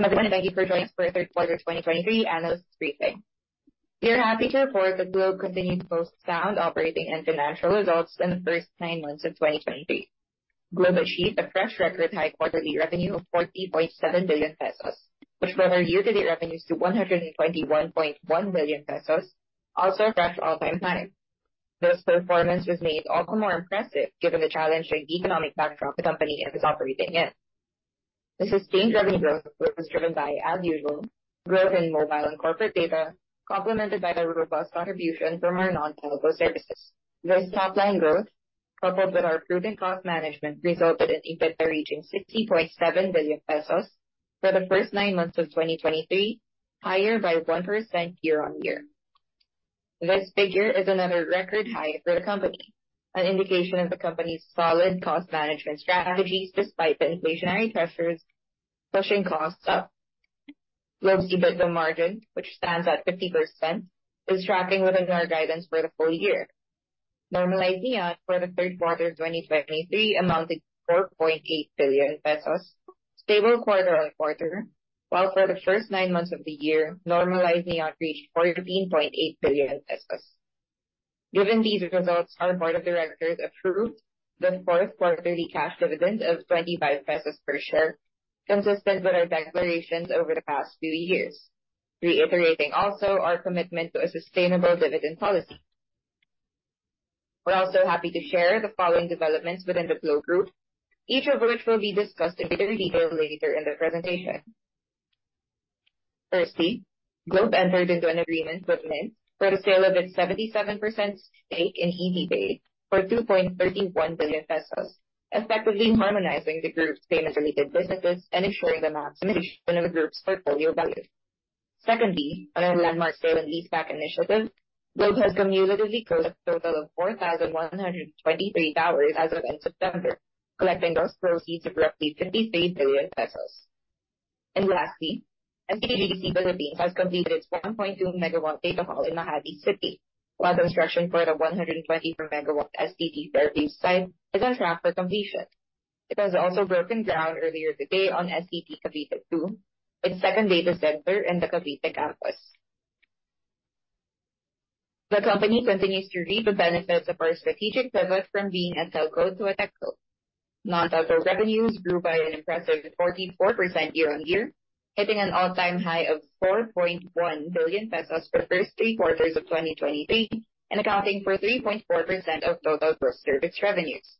Good morning. Thank you for joining us for the Third Quarter 2023 Analysts' Briefing. We are happy to report that Globe continued to post sound operating and financial results in the first nine months of 2023. Globe achieved a fresh record high quarterly revenue of 40.7 billion pesos, which brought our year-to-date revenues to 121.1 billion pesos, also a fresh all-time high. This performance was made all the more impressive given the challenging economic backdrop the company is operating in. This sustained revenue growth was driven by, as usual, growth in mobile and corporate data, complemented by a robust contribution from our non-telco services. This top-line growth, coupled with our proven cost management, resulted in EBITDA reaching 60.7 billion pesos for the first nine months of 2023, higher by 1% year-on-year. This figure is another record high for the company, an indication of the company's solid cost management strategies despite the inflationary pressures pushing costs up. Globe's EBITDA margin, which stands at 50%, is tracking within our guidance for the full year. Normalized net income for the third quarter 2023 amounted PHP 4.8 billion, stable quarter-on-quarter, while for the first nine months of the year, normalized EBITDA reached 14.8 billion pesos. Given these results, our board of directors approved the fourth quarterly cash dividend of 25 pesos per share, consistent with our declarations over the past few years, reiterating also our commitment to a sustainable dividend policy. We're also happy to share the following developments within the Globe Group, each of which will be discussed in greater detail later in the presentation. Firstly, Globe entered into an agreement with Mynt for the sale of its 77% stake in ECPay for 2.31 billion pesos, effectively harmonizing the group's payment-related businesses and ensuring the maximization of the group's portfolio value. Secondly, on our landmark sale and leaseback initiative, Globe has cumulatively closed a total of 4,123 towers as of end September, collecting those proceeds of roughly 53 billion pesos. And lastly, STT GDC Philippines has completed its 1.2 MW data hall in Makati City, while construction for the 124 MW STT Davao site is on track for completion. It has also broken ground earlier today on STT Cavite 2, its second data center in the Cavite campus. The company continues to reap the benefits of our strategic pivot from being a telco to a techco. Non-telco revenues grew by an impressive 44% year-on-year, hitting an all-time high of 4.1 billion pesos for the first three quarters of 2023 and accounting for 3.4% of total gross service revenues.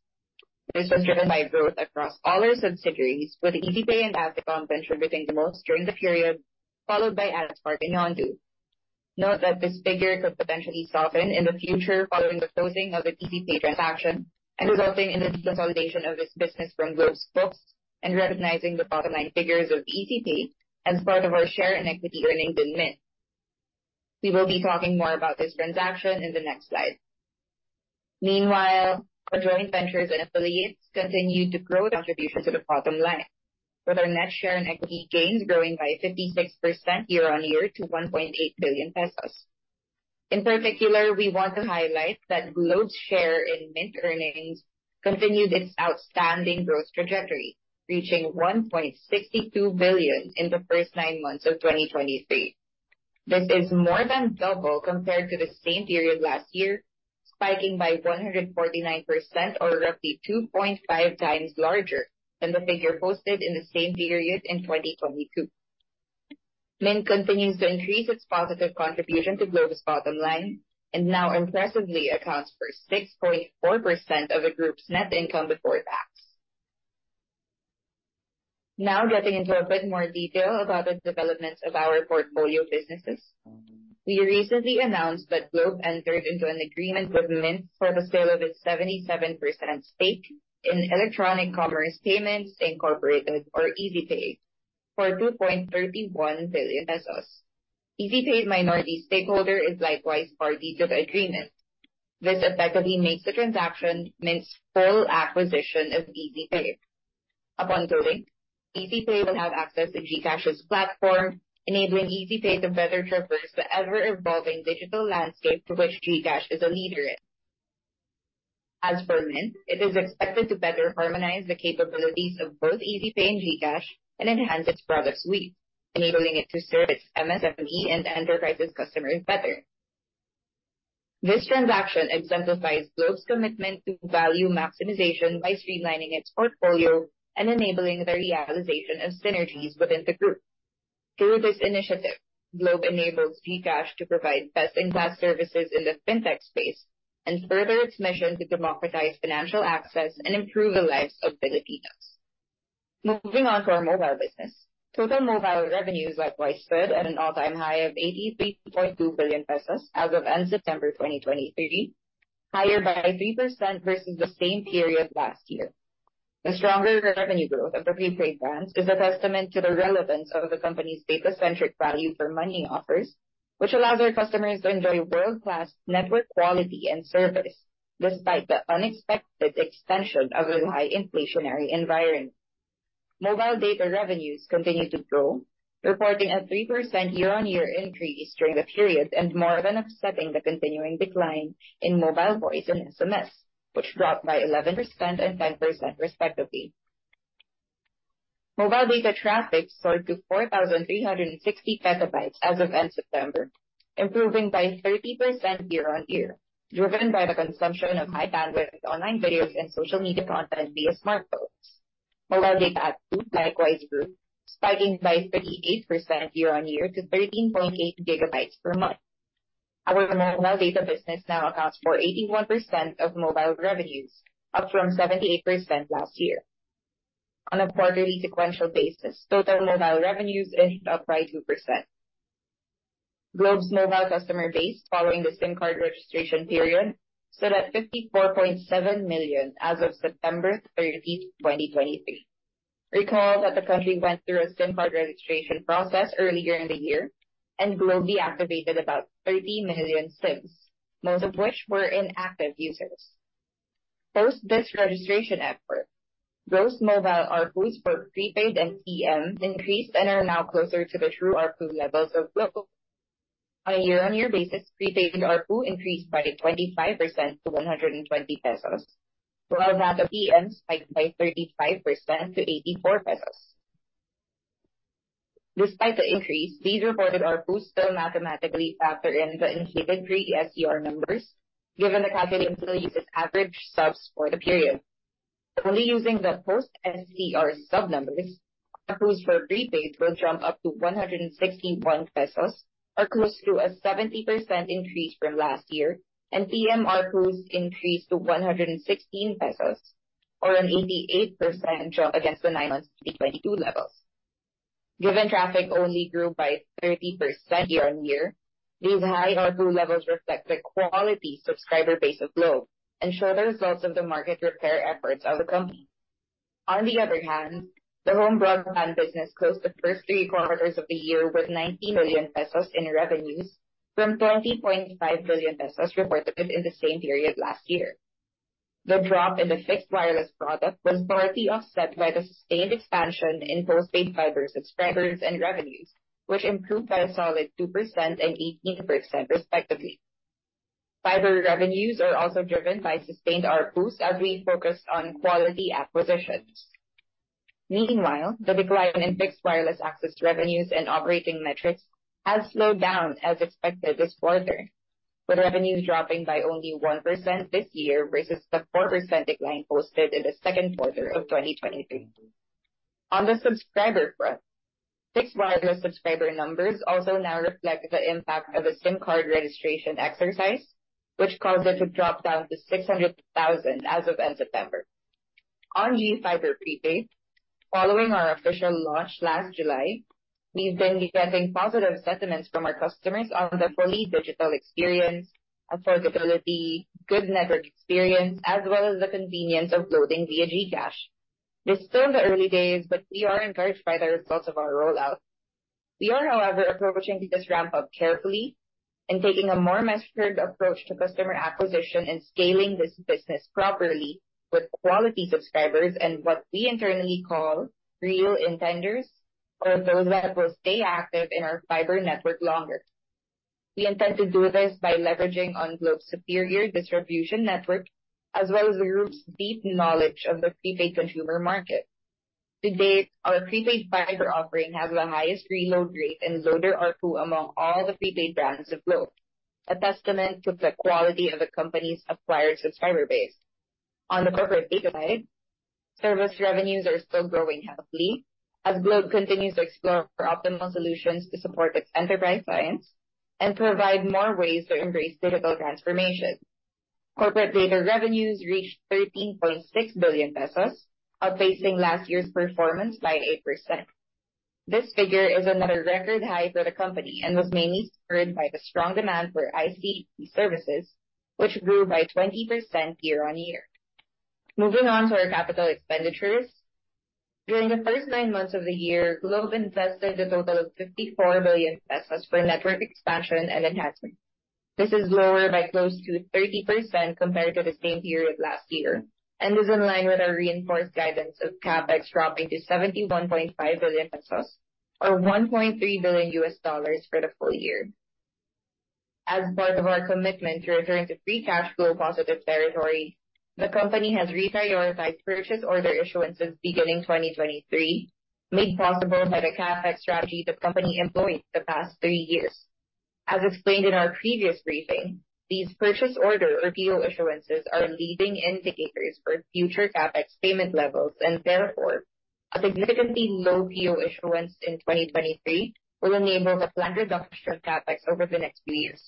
This was driven by growth across all our subsidiaries, with ECPay and AdSpark contributing the most during the period, followed by AdSpark and Yondu. Note that this figure could potentially soften in the future following the closing of the ECPay transaction and resulting in the deconsolidation of this business from Globe's books and recognizing the bottom line figures of ECPay as part of our share and equity earnings in Mynt. We will be talking more about this transaction in the next slide. Meanwhile, our joint ventures and affiliates continued to grow contribution to the bottom line, with our net share and equity gains growing by 56% year-on-year to 1.8 billion pesos. In particular, we want to highlight that Globe's share in Mynt earnings continued its outstanding growth trajectory, reaching 1.62 billion in the first nine months of 2023. This is more than double compared to the same period last year, spiking by 149%, or roughly 2.5 times larger than the figure posted in the same period in 2022. Mynt continues to increase its positive contribution to Globe's bottom line and now impressively accounts for 6.4% of the group's net income before tax. Now, getting into a bit more detail about the developments of our portfolio businesses. We recently announced that Globe entered into an agreement with Mynt for the sale of its 77% stake in Electronic Commerce Payments Incorporated, or ECPay, for 2.31 billion pesos. ECPay minority stakeholder is likewise party to the agreement. This effectively makes the transaction Mynt's full acquisition of ECPay. Upon closing, ECPay will have access to GCash's platform, enabling ECPay to better traverse the ever-evolving digital landscape for which GCash is a leader in. As for Mynt, it is expected to better harmonize the capabilities of both ECPay and GCash and enhance its product suite, enabling it to serve its MSME and enterprise customers better. This transaction exemplifies Globe's commitment to value maximization by streamlining its portfolio and enabling the realization of synergies within the group. Through this initiative, Globe enables GCash to provide best-in-class services in the fintech space and further its mission to democratize financial access and improve the lives of Filipinos. Moving on to our mobile business. Total mobile revenues likewise stood at an all-time high of 83.2 billion pesos as of end-September 2023, higher by 3% versus the same period last year. The stronger revenue growth of the prepaid plans is a testament to the relevance of the company's data-centric value for money offers, which allows our customers to enjoy world-class network quality and service despite the unexpected extension of the high inflationary environment. Mobile data revenues continued to grow, reporting a 3% year-on-year increase during the period and more than offsetting the continuing decline in mobile voice and SMS, which dropped by 11% and 10% respectively. Mobile data traffic soared to 4,360 PB as of end September, improving by 30% year-on-year, driven by the consumption of high bandwidth, online videos and social media content via smartphones. Mobile data likewise grew, spiking by 38% year-on-year to 13.8 GB per month. Our mobile data business now accounts for 81% of mobile revenues, up from 78% last year. On a quarterly sequential basis, total mobile revenues ended up by 2%. Globe's mobile customer base, following the SIM card registration period, stood at 54.7 million as of September 30, 2023. Recall that the country went through a SIM card registration process earlier in the year, and Globe deactivated about 30 million SIMs, most of which were inactive users. Post this registration effort, gross mobile ARPUs for prepaid and TM increased and are now closer to the true ARPU levels of Globe. On a year-on-year basis, prepaid ARPU increased by 25% to 120 pesos, while that of TM spiked by 35% to 84 pesos. Despite the increase, these reported ARPUs still mathematically factor in the inflated pre-SCR numbers, given the company still uses average subs for the period. Only using the post-SCR sub numbers, ARPUs for prepaid will jump up to 161 pesos, or close to a 70% increase from last year, and TM ARPUs increased to 116 pesos, or an 88% jump against the nine months of 2022 levels. Given traffic only grew by 30% year-on-year, these high ARPU levels reflect the quality subscriber base of Globe and show the results of the market repair efforts of the company. On the other hand, the home broadband business closed the first three quarters of the year with 90 million pesos in revenues from 20.5 billion pesos reported in the same period last year. The drop in the fixed wireless product was partly offset by the sustained expansion in postpaid fiber subscribers and revenues, which improved by a solid 2% and 18% respectively. Fiber revenues are also driven by sustained ARPUs as we focused on quality acquisitions. Meanwhile, the decline in fixed wireless access revenues and operating metrics has slowed down as expected this quarter, with revenues dropping by only 1% this year versus the 4% decline posted in the second quarter of 2023. On the subscriber front, fixed wireless subscriber numbers also now reflect the impact of the SIM card registration exercise, which caused it to drop down to 600,000 as of end September. On GFiber Prepaid, following our official launch last July, we've been getting positive sentiments from our customers on the fully digital experience, affordability, good network experience, as well as the convenience of loading via GCash. It's still the early days, but we are encouraged by the results of our rollout. We are, however, approaching this ramp up carefully and taking a more measured approach to customer acquisition and scaling this business properly with quality subscribers and what we internally call real intenders, or those that will stay active in our fiber network longer. We intend to do this by leveraging on Globe's superior distribution network, as well as the group's deep knowledge of the prepaid consumer market. To date, our prepaid fiber offering has the highest reload rate and loader ARPU among all the prepaid brands of Globe, a testament to the quality of the company's acquired subscriber base. On the corporate data side, service revenues are still growing healthily as Globe continues to explore optimal solutions to support its enterprise clients and provide more ways to embrace digital transformation. Corporate data revenues reached 13.6 billion pesos, outpacing last year's performance by 8%. This figure is another record high for the company and was mainly spurred by the strong demand for ICT services, which grew by 20% year-on-year. Moving on to our capital expenditures. During the first nine months of the year, Globe invested a total of 54 billion pesos for network expansion and enhancement. This is lower by close to 30% compared to the same period last year, and is in line with our reinforced guidance of CapEx dropping to 71.5 billion pesos or $1.3 billion for the full year. As part of our commitment to return to free cash flow positive territory, the company has reprioritized purchase order issuances beginning 2023, made possible by the CapEx strategy the company employed the past three years. As explained in our previous briefing, these purchase order or PO issuances are leading indicators for future CapEx payment levels, and therefore, a significantly low PO issuance in 2023 will enable the planned reduction of CapEx over the next few years.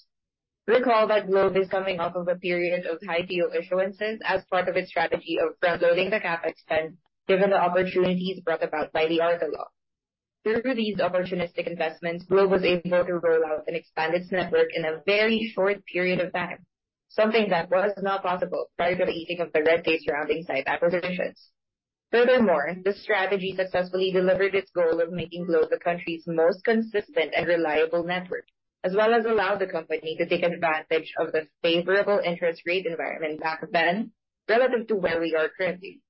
Recall that Globe is coming off of a period of high PO issuances as part of its strategy of front-loading the CapEx spend, given the opportunities brought about by the CREATE law. Through these opportunistic investments, Globe was able to roll out and expand its network in a very short period of time, something that was not possible prior to the easing of the red tape surrounding site acquisitions. Furthermore, this strategy successfully delivered its goal of making Globe the country's most consistent and reliable network, as well as allow the company to take advantage of the favorable interest rate environment back then relative to where we are currently.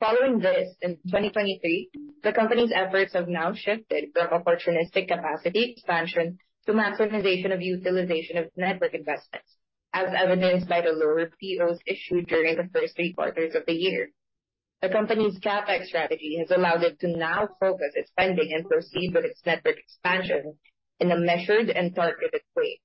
Following this, in 2023, the company's efforts have now shifted from opportunistic capacity expansion to maximization of utilization of network investments, as evidenced by the lower POs issued during the first three quarters of the year. The company's CapEx strategy has allowed it to now focus its spending and proceed with its network expansion in a measured and targeted way.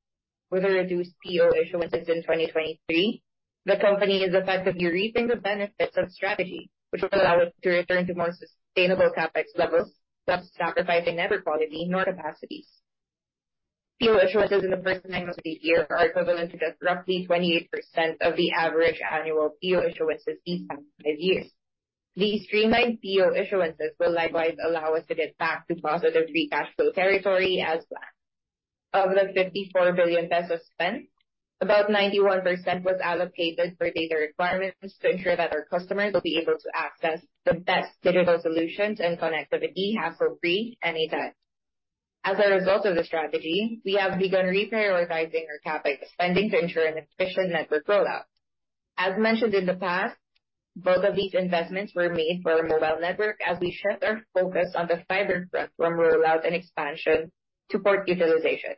With the reduced PO issuances in 2023, the company is effectively reaping the benefits of strategy, which will allow us to return to more sustainable CapEx levels without sacrificing network quality nor capacities. PO issuances in the first nine months of the year are equivalent to just roughly 28% of the average annual PO issuances these past five years. These streamlined PO issuances will likewise allow us to get back to positive free cash flow territory as planned. Of the 54 billion pesos spent, about 91% was allocated for data requirements to ensure that our customers will be able to access the best digital solutions and connectivity have for free anytime. As a result of the strategy, we have begun reprioritizing our CapEx spending to ensure an efficient network rollout. As mentioned in the past, both of these investments were made for our mobile network as we shift our focus on the fiber front when we allowed an expansion to port utilization.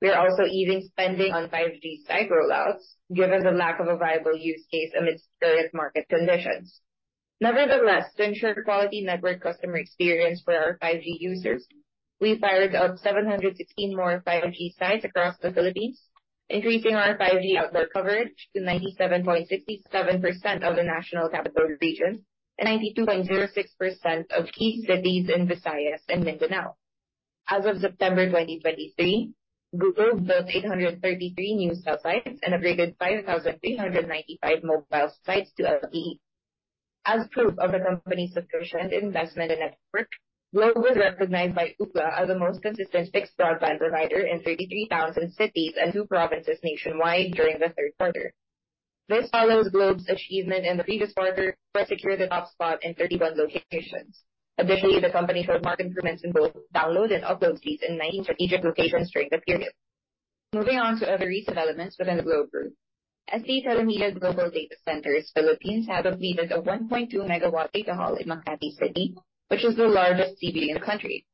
We are also easing spending on 5G site rollouts given the lack of a viable use case amidst current market conditions. Nevertheless, to ensure quality network customer experience for our 5G users, we fired up 716 more 5G sites across the Philippines, increasing our 5G overall coverage to 97.67% of the National Capital Region and 92.06% of key cities in Visayas and Mindanao. As of September 2023, Globe built 833 new cell sites and upgraded 5,395 mobile sites to LTE. As proof of the company's commitment and investment in network, Globe was recognized by Ookla as the most consistent fixed broadband provider in 33,000 cities and two provinces nationwide during the third quarter. This follows Globe's achievement in the previous quarter where it secured the top spot in 31 locations. Additionally, the company saw marked improvements in both download and upload speeds in 19 strategic locations during the period. Moving on to other recent developments within the Globe Group. ST Telemedia Global Data Centres Philippines have completed a 1.2 MW data hall in Makati City, which is the largest CBD in the country.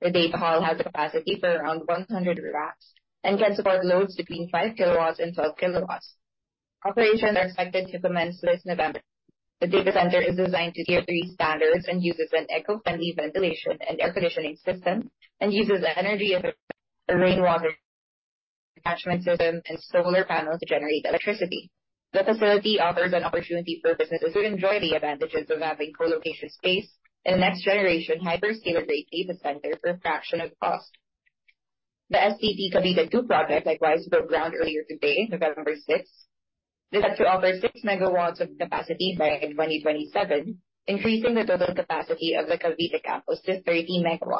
The data hall has a capacity for around 100 racks and can support loads between 5 kW and 12 kW. Operations are expected to commence this November. The data center is designed to Tier 3 standards and uses an eco-friendly ventilation and air conditioning system, and uses an energy efficient rainwater catchment system and solar panels to generate electricity. The facility offers an opportunity for businesses to enjoy the advantages of having colocation space and a next-generation hyperscale-grade data center for a fraction of the cost. The STT Cavite 2 project likewise broke ground earlier today, November 6. This is set to offer 6 MW of capacity by 2027, increasing the total capacity of the Cavite campus to 13 MW.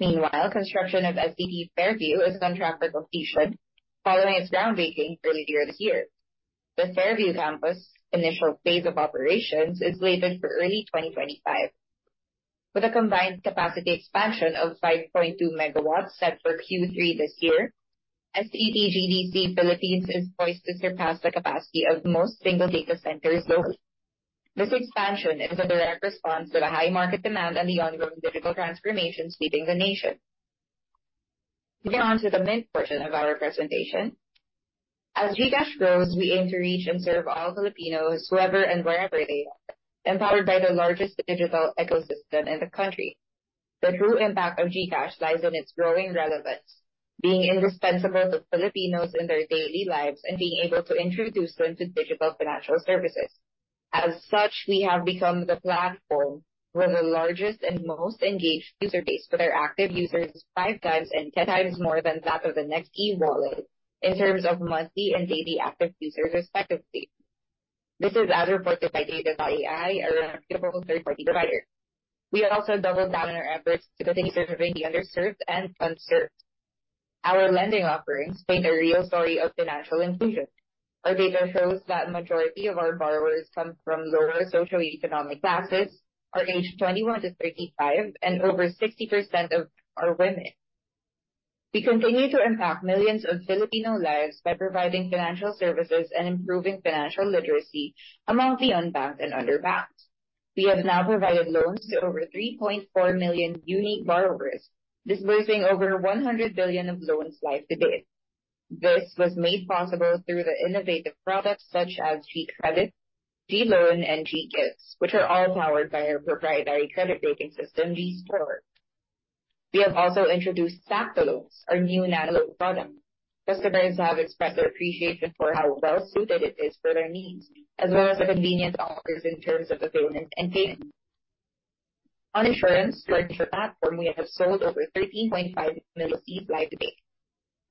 Meanwhile, construction of STT Fairview is on track for completion following its groundbreaking earlier this year. The Fairview campus initial phase of operations is slated for early 2025, with a combined capacity expansion of 5.2 MW set for Q3 this year. STT GDC Philippines is poised to surpass the capacity of most single data centers globally. This expansion is a direct response to the high market demand and the ongoing digital transformation sweeping the nation. Moving on to the main portion of our presentation. As GCash grows, we aim to reach and serve all Filipinos whoever and wherever they are, empowered by the largest digital ecosystem in the country. The true impact of GCash lies in its growing relevance, being indispensable to Filipinos in their daily lives and being able to introduce them to digital financial services. As such, we have become the platform with the largest and most engaged user base, where their active users is five times and 10 times more than that of the next e-wallet in terms of monthly and daily active users, respectively. This is as reported by Data.ai, a reputable third party provider. We have also doubled down on our efforts to continue serving the underserved and unserved. Our lending offerings paint a real story of financial inclusion. Our data shows that majority of our borrowers come from lower socioeconomic classes, are aged 21-35, and over 60% of them are women. We continue to impact millions of Filipino lives by providing financial services and improving financial literacy among the unbanked and underbanked. We have now provided loans to over 3.4 million unique borrowers, disbursing over 100 billion in loans to date. This was made possible through the innovative products such as GCredit, GLoan, and GGifts, which are all powered by our proprietary credit rating system, GScore. We have also introduced Sakto Loans, our new nano-loan product. Customers have expressed their appreciation for how well suited it is for their needs, as well as the convenience it offers in terms of payments. On insurance, through our platform, we have sold over 13.5 million policies to date.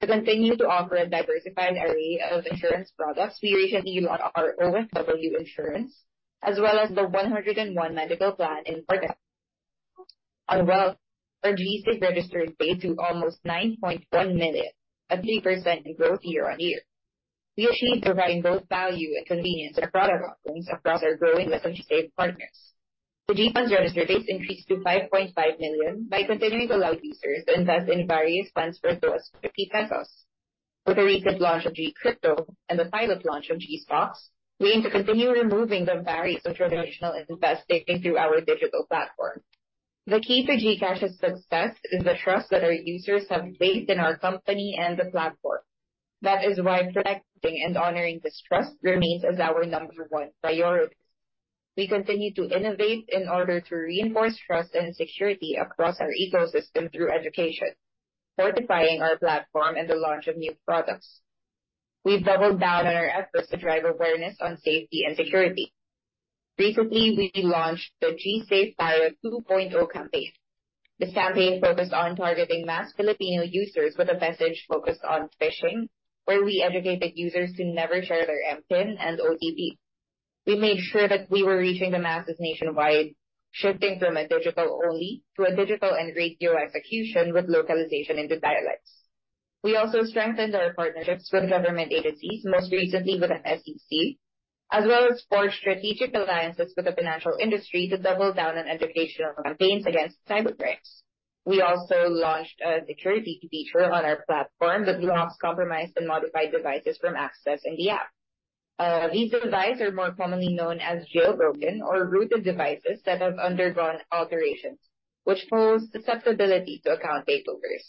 To continue to offer a diversified array of insurance products, we recently launched our OFW Insurance as well as the 100-in-1 Medical Plan in August. On wealth, our GSave registered base to almost 9.1 million, a 3% growth year-on-year. We achieve providing both value and convenience to product offerings across our growing associate partners. The GFunds registered base increased to 5.5 million by continuing to allow users to invest in various funds for as low as 50 pesos. With the recent launch of GCrypto and the pilot launch of GStocks, we aim to continue removing the barriers of traditional investing through our digital platform. The key to GCash's success is the trust that our users have placed in our company and the platform. That is why protecting and honoring this trust remains as our number one priority. We continue to innovate in order to reinforce trust and security across our ecosystem through education, fortifying our platform, and the launch of new products. We've doubled down on our efforts to drive awareness on safety and security. Recently, we relaunched the GSafe Pilipinas 2.0 campaign. The campaign focused on targeting mass Filipino users with a message focused on phishing, where we educated users to never share their MPIN and OTP. We made sure that we were reaching the masses nationwide, shifting from a digital-only to a digital and radio execution with localization into dialects. We also strengthened our partnerships with government agencies, most recently with the SEC, as well as forged strategic alliances with the financial industry to double down on educational campaigns against cybercrime. We also launched a security feature on our platform that blocks compromised and modified devices from accessing the app. These devices are more commonly known as jailbroken or rooted devices that have undergone alterations, which pose susceptibility to account takeovers.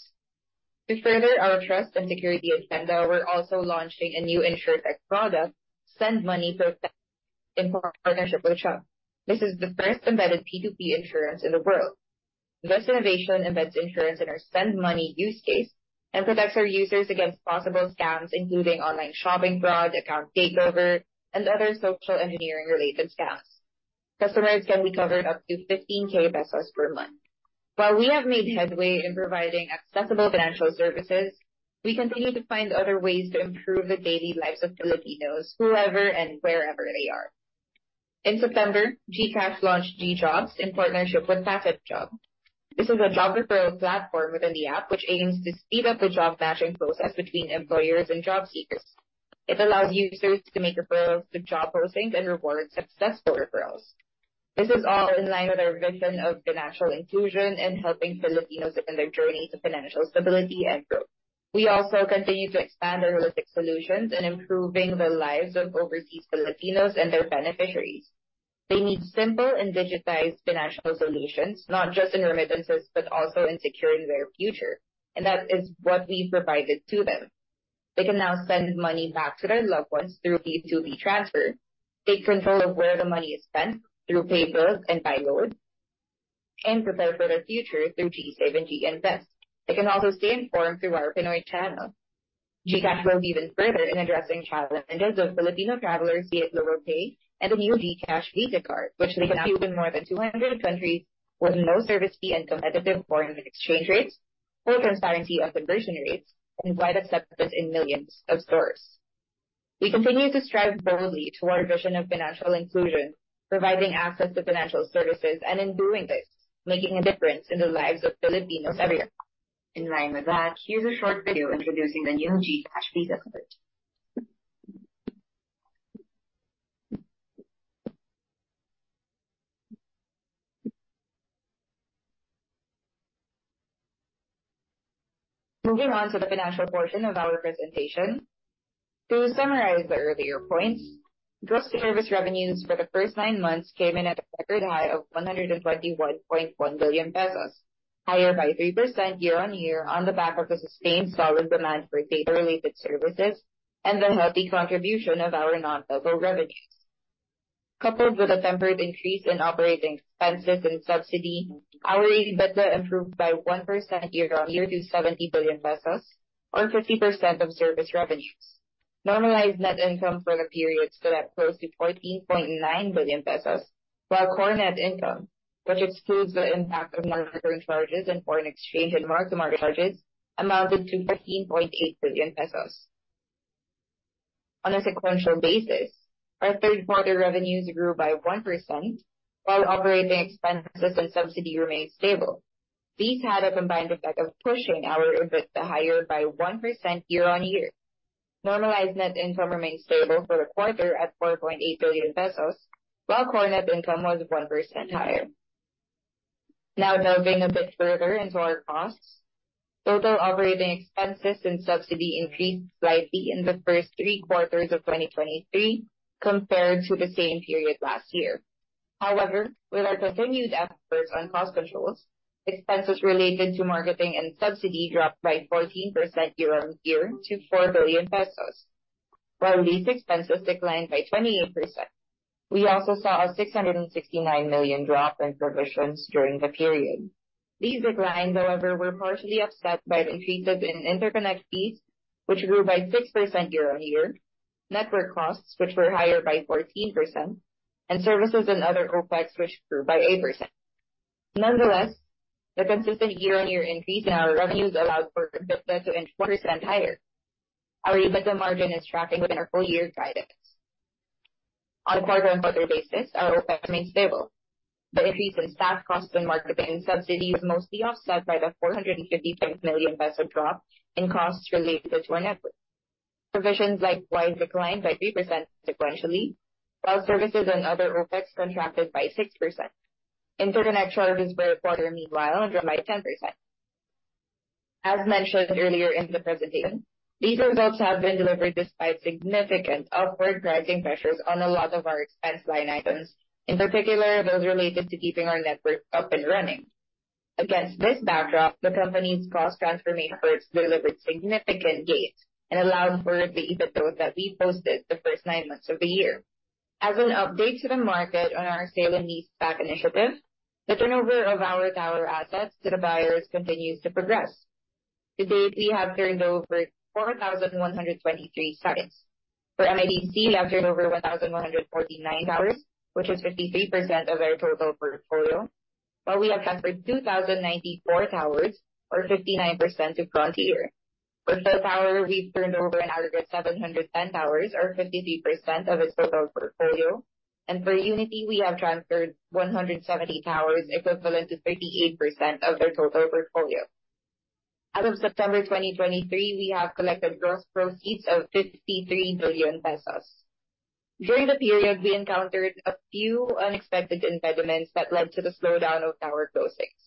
To further our trust and security agenda, we're also launching a new Insurtech product, Send Money Protect, in partnership with Chubb. This is the first embedded P2P insurance in the world. This innovation embeds insurance in our Send Money use case and protects our users against possible scams, including online shopping fraud, account takeover, and other social engineering-related scams. Customers can be covered up to 15,000 pesos per month. While we have made headway in providing accessible financial services, we continue to find other ways to improve the daily lives of Filipinos, whoever and wherever they are. In September, GCash launched GJobs in partnership with PasaJob. This is a job referral platform within the app, which aims to speed up the job matching process between employers and job seekers. It allows users to make referrals to job postings and reward successful referrals. This is all in line with our vision of financial inclusion and helping Filipinos in their journey to financial stability and growth. We also continue to expand our holistic solutions in improving the lives of overseas Filipinos and their beneficiaries. They need simple and digitized financial solutions, not just in remittances, but also in securing their future, and that is what we provided to them. They can now send money back to their loved ones through P2P transfer, take control of where the money is spent through pay bills and buy load, and prepare for the future through GSave and GInvest. They can also stay informed through our Pinoy channel. GCash goes even further in addressing challenges of Filipino travelers via GlobalPay and the new GCash Visa Card, which they can use in more than 200 countries with no service fee and competitive foreign exchange rates, full transparency of conversion rates, and wide acceptance in millions of stores. We continue to strive boldly to our vision of financial inclusion, providing access to financial services, and in doing this, making a difference in the lives of Filipinos everywhere. In line with that, here's a short video introducing the new GCash Visa Card. Moving on to the financial portion of our presentation. To summarize the earlier points, gross service revenues for the first nine months came in at a record high of 121.1 billion pesos, higher by 3% year-on-year, on the back of the sustained solid demand for data-related services and the healthy contribution of our non-telco revenues. Coupled with a temporary increase in operating expenses and subsidy, our EBITDA improved by 1% year-on-year to 70 billion pesos, or 50% of service revenues. Normalized net income for the period stood at close to 14.9 billion pesos, while core net income, which excludes the impact of non-recurring charges and foreign exchange and mark-to-market charges, amounted to 13.8 billion pesos. On a sequential basis, our third quarter revenues grew by 1%, while operating expenses and subsidy remained stable. These had a combined effect of pushing our EBITDA higher by 1% year-on-year. Normalized net income remained stable for the quarter at 4.8 billion pesos, while core net income was 1% higher. Now, delving a bit further into our costs. Total operating expenses and subsidy increased slightly in the first three quarters of 2023 compared to the same period last year. However, with our continued efforts on cost controls, expenses related to marketing and subsidy dropped by 14% year-on-year to 4 billion pesos, while these expenses declined by 28%. We also saw a 669 million drop in provisions during the period. These declines, however, were partially offset by increases in interconnect fees, which grew by 6% year-on-year, network costs, which were higher by 14%, and services and other OpEx, which grew by 8%. Nonetheless, the consistent year-on-year increase in our revenues allowed for EBITDA to end 4% higher. Our EBITDA margin is tracking within our full-year guidance. On a quarter-on-quarter basis, our OpEx remains stable. The increase in staff costs and marketing subsidies mostly offset by the 456 million peso drop in costs related to our network. Provisions likewise declined by 3% sequentially, while services and other OpEx contracted by 6%. Interconnect charges per quarter, meanwhile, dropped by 10%. As mentioned earlier in the presentation, these results have been delivered despite significant upward pricing pressures on a lot of our expense line items, in particular, those related to keeping our network up and running. Against this backdrop, the company's cost transformation efforts delivered significant gains and allowed for the EBITDA that we posted the first nine months of the year. As an update to the market on our sale and leaseback initiative, the turnover of our tower assets to the buyers continues to progress. To date, we have turned over 4,123 towers. For MIDC, we have turned over 1,149 towers, which is 53% of their total portfolio, while we have transferred 2,094 towers or 59% to Frontier. For PhilTower, we've turned over an aggregate 710 towers, or 53% of its total portfolio. For Unity, we have transferred 170 towers, equivalent to 38% of their total portfolio. As of September 2023, we have collected gross proceeds of 53 billion pesos. During the period, we encountered a few unexpected impediments that led to the slowdown of tower closings.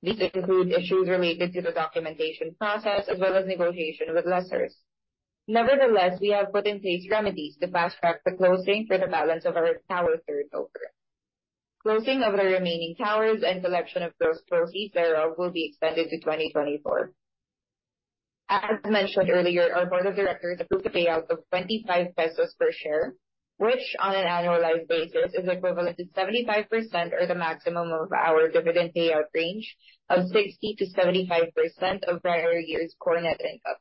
These include issues related to the documentation process as well as negotiation with lessors. Nevertheless, we have put in place remedies to fast-track the closing for the balance of our tower turnover. Closing of the remaining towers and collection of gross proceeds thereof will be extended to 2024. As mentioned earlier, our board of directors approved a payout of 25 pesos per share, which on an annualized basis is equivalent to 75% or the maximum of our dividend payout range of 60%-75% of the prior year's core net income.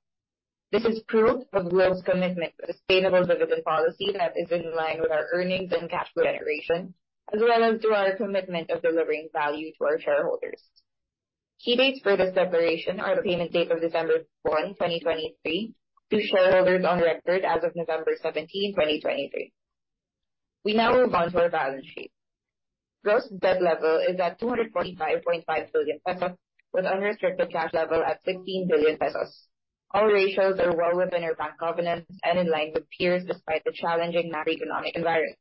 This is proof of Globe's commitment to a sustainable dividend policy that is in line with our earnings and cash flow generation, as well as through our commitment of delivering value to our shareholders. Key dates for this declaration are the payment date of December 1, 2023, to shareholders on record as of November 17, 2023. We now move on to our balance sheet. Gross debt level is at 245.5 billion pesos, with unrestricted cash level at 16 billion pesos. All ratios are well within our bank covenants and in line with peers, despite the challenging macroeconomic environment.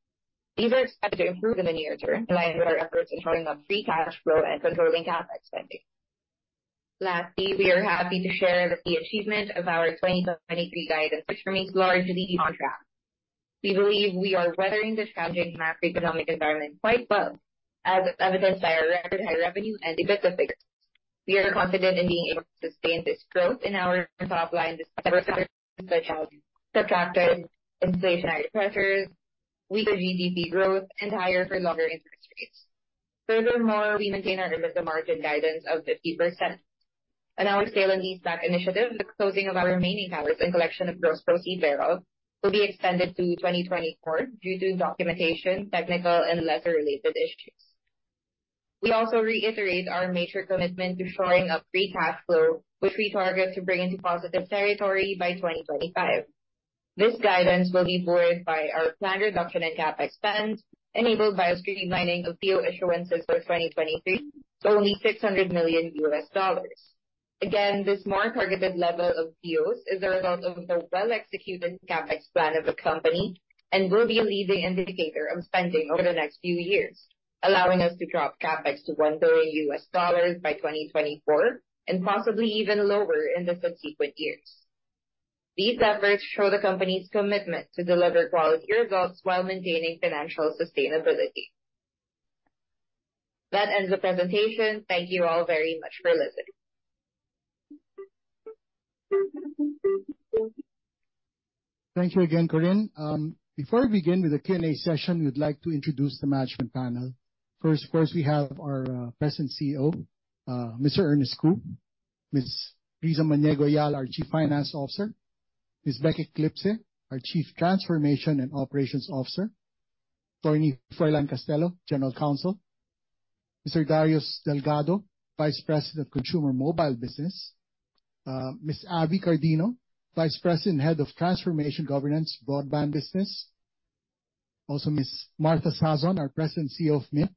These are expected to improve in the near term, in line with our efforts in shoring up free cash flow and controlling CapEx spending. Lastly, we are happy to share the achievement of our 2023 guidance, which remains largely on track. We believe we are weathering this challenging macroeconomic environment quite well, as evidenced by our record high revenue and EBITDA figures. We are confident in being able to sustain this growth in our top line despite other factors such as protracted inflationary pressures, weaker GDP growth, and higher for longer interest rates. Furthermore, we maintain our EBITDA margin guidance of 50%. In our sale and leaseback initiative, the closing of our remaining towers and collection of gross proceeds thereof will be extended to 2024 due to documentation, technical, and lessor-related issues. We also reiterate our major commitment to shoring up free cash flow, which we target to bring into positive territory by 2025. This guidance will be buoyed by our planned reduction in CapEx spend, enabled by a streamlining of PO issuances for 2023 to only $600 million. Again, this more targeted level of deals is a result of the well-executed CapEx plan of the company and will be a leading indicator of spending over the next few years, allowing us to drop CapEx to $1 billion by 2024 and possibly even lower in the subsequent years. These levers show the company's commitment to deliver quality results while maintaining financial sustainability. That ends the presentation. Thank you all very much for listening. Thank you again, Corinne. Before we begin with the Q&A session, we'd like to introduce the management panel. First, we have our President and CEO, Mr. Ernest Cu; Ms. Rizza Maniego-Eala, our Chief Financial Officer; Ms. Becca Eclipse, our Chief Transformation and Operations Officer; Atty. Froilan Castelo, General Counsel; Mr. Darius Delgado, Vice President of Consumer Mobile Business; Ms. Abby Cardino, Vice President, Head of Transformation Governance, Broadband Business; also, Ms. Martha Sazon, our President and CEO of Mynt.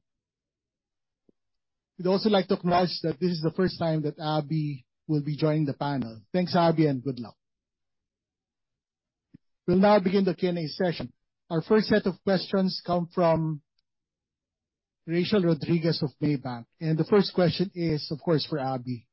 We'd also like to acknowledge that this is the first time that Abby will be joining the panel. Thanks, Abby, and good luck. We'll now begin the Q&A session. Our first set of questions come from Rachelle Rodriguez of Maybank, and the first question is, of course, for Abby.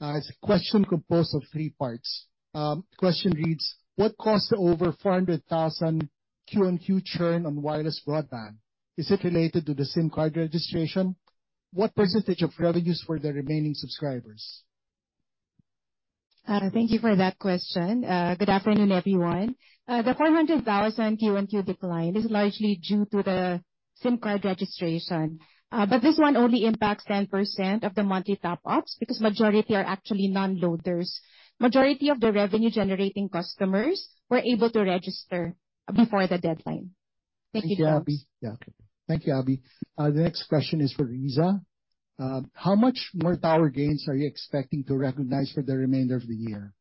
It's a question composed of three parts. The question reads: What caused the over 400,000 QoQ churn on wireless broadband? Is it related to the SIM card registration? What percentage of revenues for the remaining subscribers? Thank you for that question. Good afternoon, everyone. The 400,000 QoQ decline is largely due to the SIM card registration. But this one only impacts 10% of the monthly top-ups, because majority are actually non-loaders. Majority of the revenue-generating customers were able to register before the deadline. Thank you. Thanks, Abby. Yeah. Thank you, Abby. The next question is for Rizza. How much more tower gains are you expecting to recognize for the remainder of the year?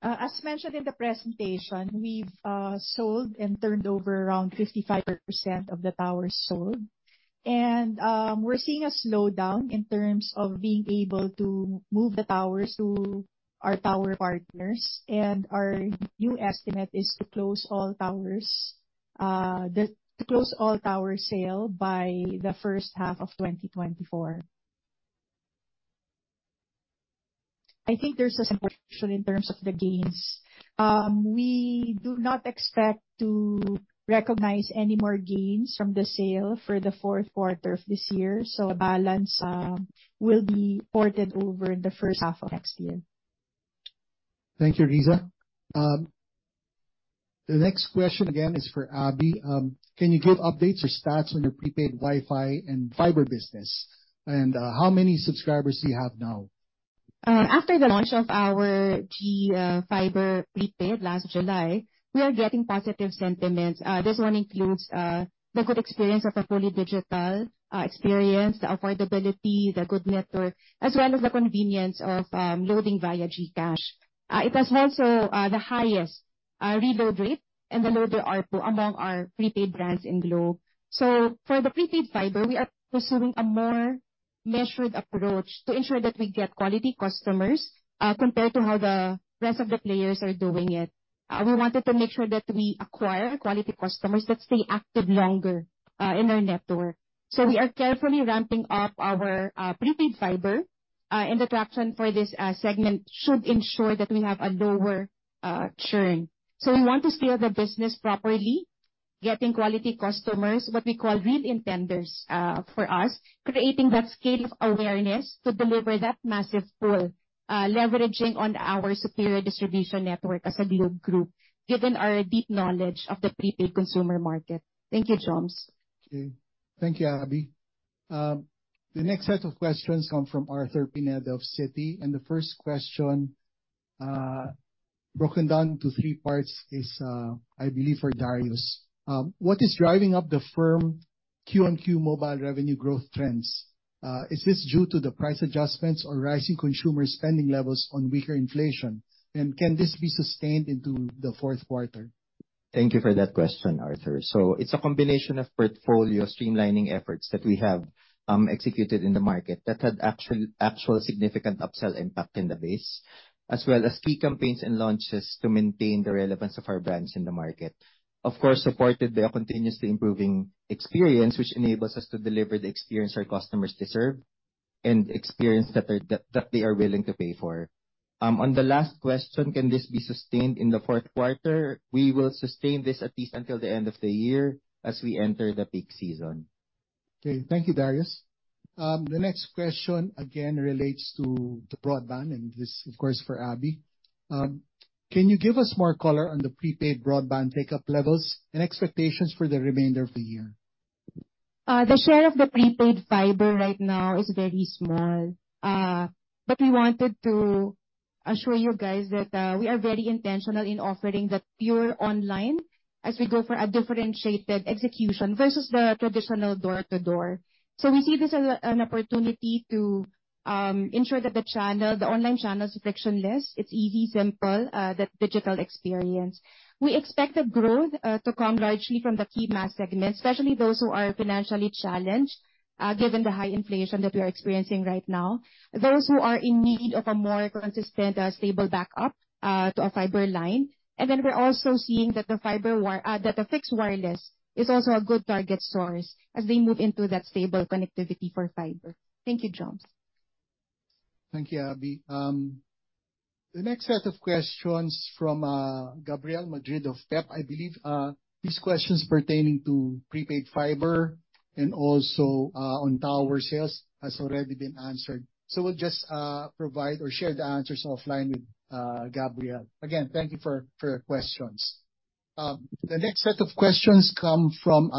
As mentioned in the presentation, we've sold and turned over around 55% of the towers sold. And we're seeing a slowdown in terms of being able to move the towers to our tower partners, and our new estimate is to close all towers, to close all tower sale by the first half of 2024. I think there's a in terms of the gains. We do not expect to recognize any more gains from the sale for the fourth quarter of this year, so a balance will be ported over in the first half of next year. Thank you, Rizza. The next question again is for Abby: Can you give updates or stats on your prepaid Wi-Fi and fiber business? And, how many subscribers do you have now? After the launch of our GFiber Prepaid last July, we are getting positive sentiments. This one includes the good experience of a fully digital experience, the affordability, the good network, as well as the convenience of loading via GCash. It has also the highest reload rate and the lower ARPU among our prepaid brands in Globe. So for the prepaid fiber, we are pursuing a more measured approach to ensure that we get quality customers compared to how the rest of the players are doing it. We wanted to make sure that we acquire quality customers that stay active longer in our network. So we are carefully ramping up our prepaid fiber and the traction for this segment should ensure that we have a lower churn. So we want to scale the business properly, getting quality customers, what we call real intenders, for us, creating that scale of awareness to deliver that massive pull, leveraging on our superior distribution network as a Globe Group, given our deep knowledge of the prepaid consumer market. Thank you, Joms. Okay. Thank you, Abby. The next set of questions come from Arthur Pineda of Citi, and the first question, broken down to three parts is, I believe, for Darius. What is driving up the firm QoQ mobile revenue growth trends? Is this due to the price adjustments or rising consumer spending levels on weaker inflation? And can this be sustained into the fourth quarter? Thank you for that question, Arthur. So it's a combination of portfolio streamlining efforts that we have executed in the market that had actual significant upsell impact in the base, as well as key campaigns and launches to maintain the relevance of our brands in the market. Of course, supported by a continuously improving experience, which enables us to deliver the experience our customers deserve and experience that they are willing to pay for. On the last question, can this be sustained in the fourth quarter? We will sustain this at least until the end of the year as we enter the peak season. Okay, thank you, Darius. The next question again relates to the broadband, and this, of course, for Abby. Can you give us more color on the prepaid broadband take-up levels and expectations for the remainder of the year? The share of the prepaid fiber right now is very small. But we wanted to assure you guys that we are very intentional in offering the pure online as we go for a differentiated execution versus the traditional door-to-door. So we see this as an opportunity to ensure that the channel, the online channel is frictionless. It's easy, simple, the digital experience. We expect the growth to come largely from the key mass segment, especially those who are financially challenged, given the high inflation that we are experiencing right now. Those who are in need of a more consistent, stable backup to a fiber line. And then we're also seeing that the fiber wire that the fixed wireless is also a good target source as they move into that stable connectivity for fiber. Thank you, Chums. Thank you, Abby. The next set of questions from Gabriel Madrid of PEP, I believe, these questions pertaining to prepaid fiber and also on tower sales has already been answered. So we'll just provide or share the answers offline with Gabriel. Again, thank you for your questions. The next set of questions come from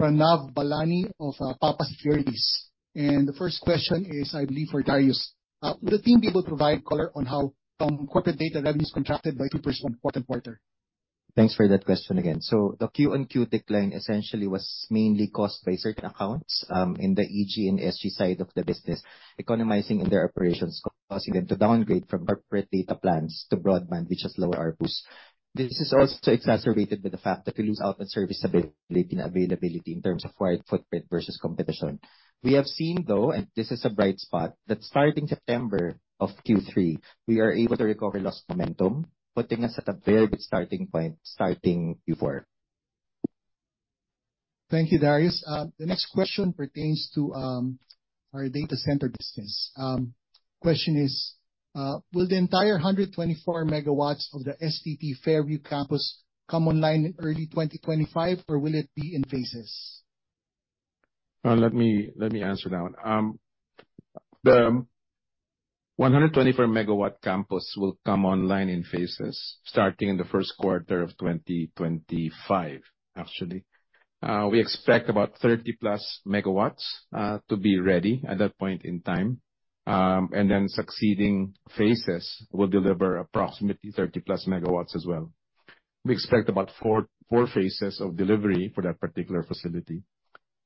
Pranav Balani of Papa Securities. And the first question is, I believe, for Darius. Will the team be able to provide color on how corporate data revenues contracted by 2% quarter-on-quarter? Thanks for that question again. So the QoQ decline essentially was mainly caused by certain accounts, in the EG and SG side of the business, economizing in their operations, causing them to downgrade from corporate data plans to broadband, which is lower ARPUs. This is also exacerbated by the fact that we lose out on service availability, availability in terms of wide footprint versus competition. We have seen, though, and this is a bright spot, that starting September of Q3, we are able to recover lost momentum, putting us at a very good starting point starting Q4. Thank you, Darius. The next question pertains to our data center business. Question is, will the entire 124 MW of the STT Fairview campus come online in early 2025, or will it be in phases? Let me answer that one. The 124 MW campus will come online in phases, starting in the first quarter of 2025, actually. We expect about 30+ MW to be ready at that point in time. Then succeeding phases will deliver approximately 30+ MW as well. We expect about four phases of delivery for that particular facility.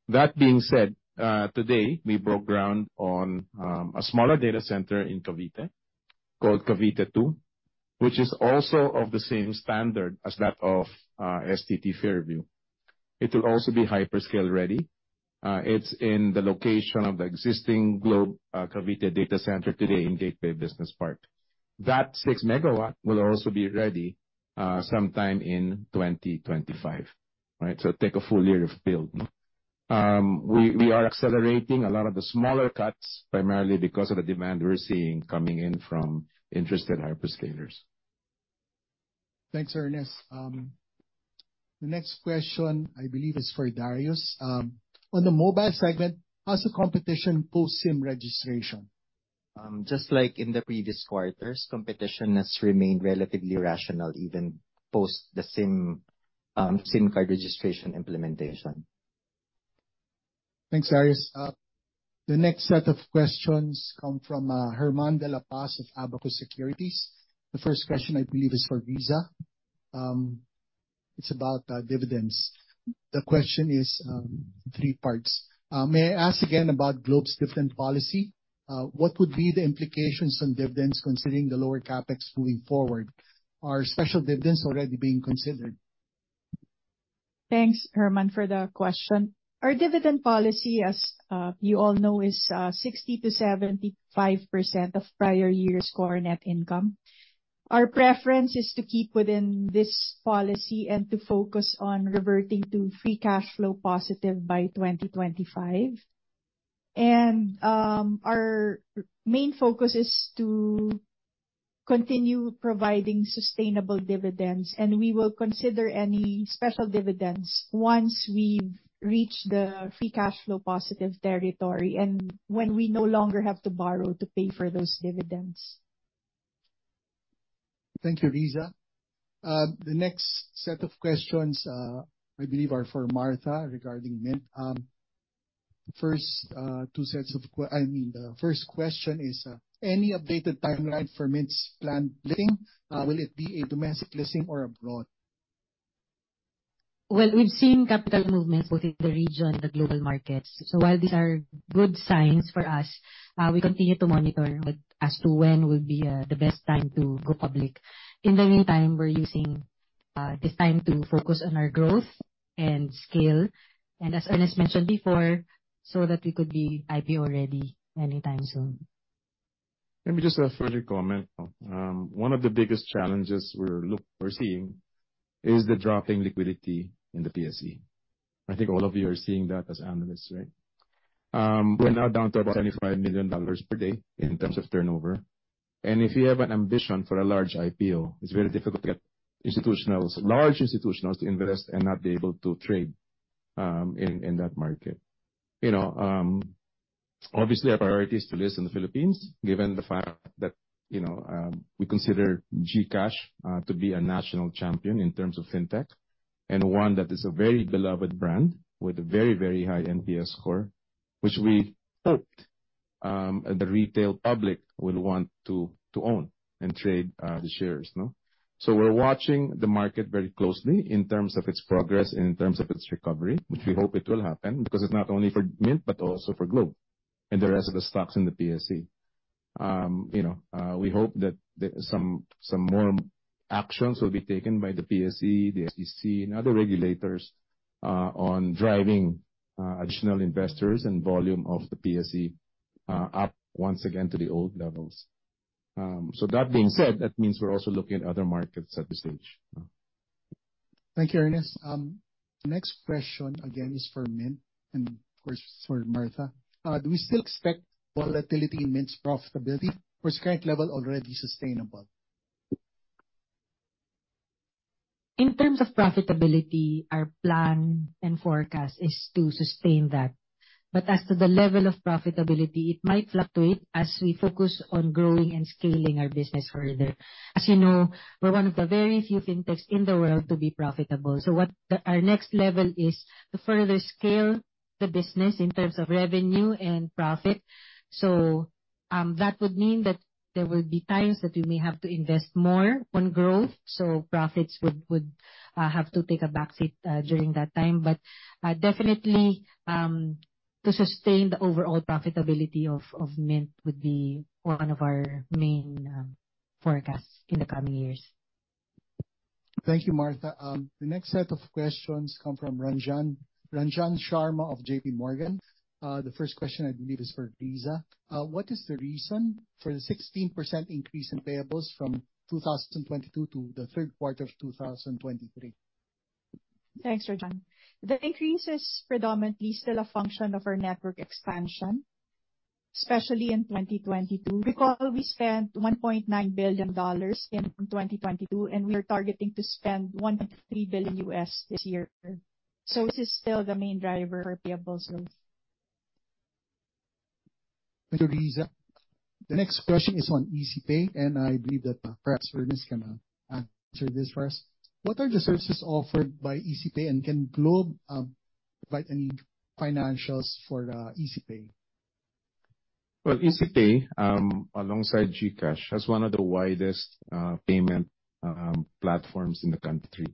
That being said, today, we broke ground on a smaller data center in Cavite, called Cavite Two, which is also of the same standard as that of STT Fairview. It will also be hyperscale ready. It's in the location of the existing Globe Cavite Data Center today in Gateway Business Park. That 6 MW will also be ready sometime in 2025, right? So take a full year to build. We are accelerating a lot of the smaller cuts, primarily because of the demand we're seeing coming in from interested hyperscalers. Thanks, Ernest. The next question, I believe, is for Darius. On the mobile segment, how's the competition post SIM registration? Just like in the previous quarters, competition has remained relatively rational, even post the SIM card registration implementation. Thanks, Darius. The next set of questions come from German de la Paz of Abacus Securities. The first question, I believe, is for Rizza. It's about dividends. The question is three parts. May I ask again about Globe's dividend policy? What would be the implications on dividends considering the lower CapEx moving forward? Are special dividends already being considered? Thanks, German, for the question. Our dividend policy, as you all know, is 60%-75% of prior year's core net income. Our preference is to keep within this policy and to focus on reverting to free cash flow positive by 2025. And our main focus is to continue providing sustainable dividends, and we will consider any special dividends once we've reached the free cash flow positive territory and when we no longer have to borrow to pay for those dividends. Thank you, Rizza. The next set of questions, I believe, are for Martha regarding Mynt. First, the first question is, any updated timeline for Mynt's planned listing? Will it be a domestic listing or abroad? Well, we've seen capital movements within the region and the global markets. So while these are good signs for us, we continue to monitor as to when will be the best time to go public. In the meantime, we're using this time to focus on our growth and scale, and as Ernest mentioned before, so that we could be IPO ready anytime soon. Let me just add a further comment. One of the biggest challenges we're seeing is the dropping liquidity in the PSE. I think all of you are seeing that as analysts, right? We're now down to about $25 million per day in terms of turnover, and if you have an ambition for a large IPO, it's very difficult to get institutionals, large institutionals to invest and not be able to trade in that market. You know, obviously, our priority is to list in the Philippines, given the fact that, you know, we consider GCash to be a national champion in terms of fintech, and one that is a very, very high NPS score, which we hoped the retail public would want to own and trade the shares, no? So we're watching the market very closely in terms of its progress and in terms of its recovery, which we hope it will happen, because it's not only for Mynt but also for Globe and the rest of the stocks in the PSE. You know, we hope that the, some, some more actions will be taken by the PSE, the SEC, and other regulators, on driving, additional investors and volume of the PSE, up once again to the old levels. So that being said, that means we're also looking at other markets at this stage. Thank you, Ernest. The next question, again, is for Mynt and, of course, for Martha. Do we still expect volatility in Mynt's profitability, or is current level already sustainable? In terms of profitability, our plan and forecast is to sustain that. But as to the level of profitability, it might fluctuate as we focus on growing and scaling our business further. As you know, we're one of the very few fintechs in the world to be profitable. Our next level is to further scale the business in terms of revenue and profit. So, that would mean that there will be times that we may have to invest more on growth, so profits would have to take a backseat during that time. But, definitely, to sustain the overall profitability of Mynt would be one of our main forecasts in the coming years. Thank you, Martha. The next set of questions come from Ranjan, Ranjan Sharma of J.P. Morgan. The first question, I believe, is for Rizza. What is the reason for the 16% increase in payables from 2022 to the third quarter of 2023? Thanks, Ranjan. The increase is predominantly still a function of our network expansion, especially in 2022. Recall, we spent $1.9 billion in 2022, and we are targeting to spend $1.3 billion this year. So this is still the main driver of payables growth. Thank you, Rizza. The next question is on ECPay, and I believe that, perhaps Ernest can answer this for us. What are the services offered by ECPay, and can Globe provide any financials for ECPay? Well, ECPay, alongside GCash, has one of the widest payment platforms in the country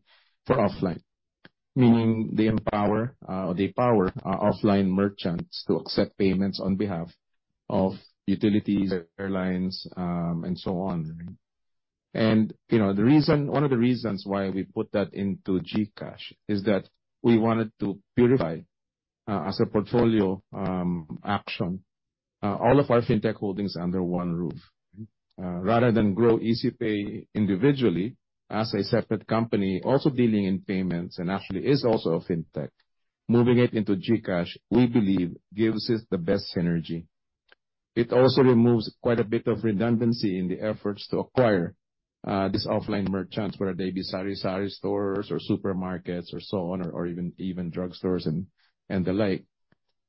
for offline. Meaning, they empower, or they power, offline merchants to accept payments on behalf of utilities, airlines, and so on. And, you know, the reason, one of the reasons why we put that into GCash is that we wanted to purify, as a portfolio, action, all of our fintech holdings under one roof. Rather than grow ECPay individually as a separate company, also dealing in payments, and actually is also a fintech, moving it into GCash, we believe gives it the best synergy. It also removes quite a bit of redundancy in the efforts to acquire these offline merchants, whether they be sari-sari stores or supermarkets or so on, or even drugstores and the like.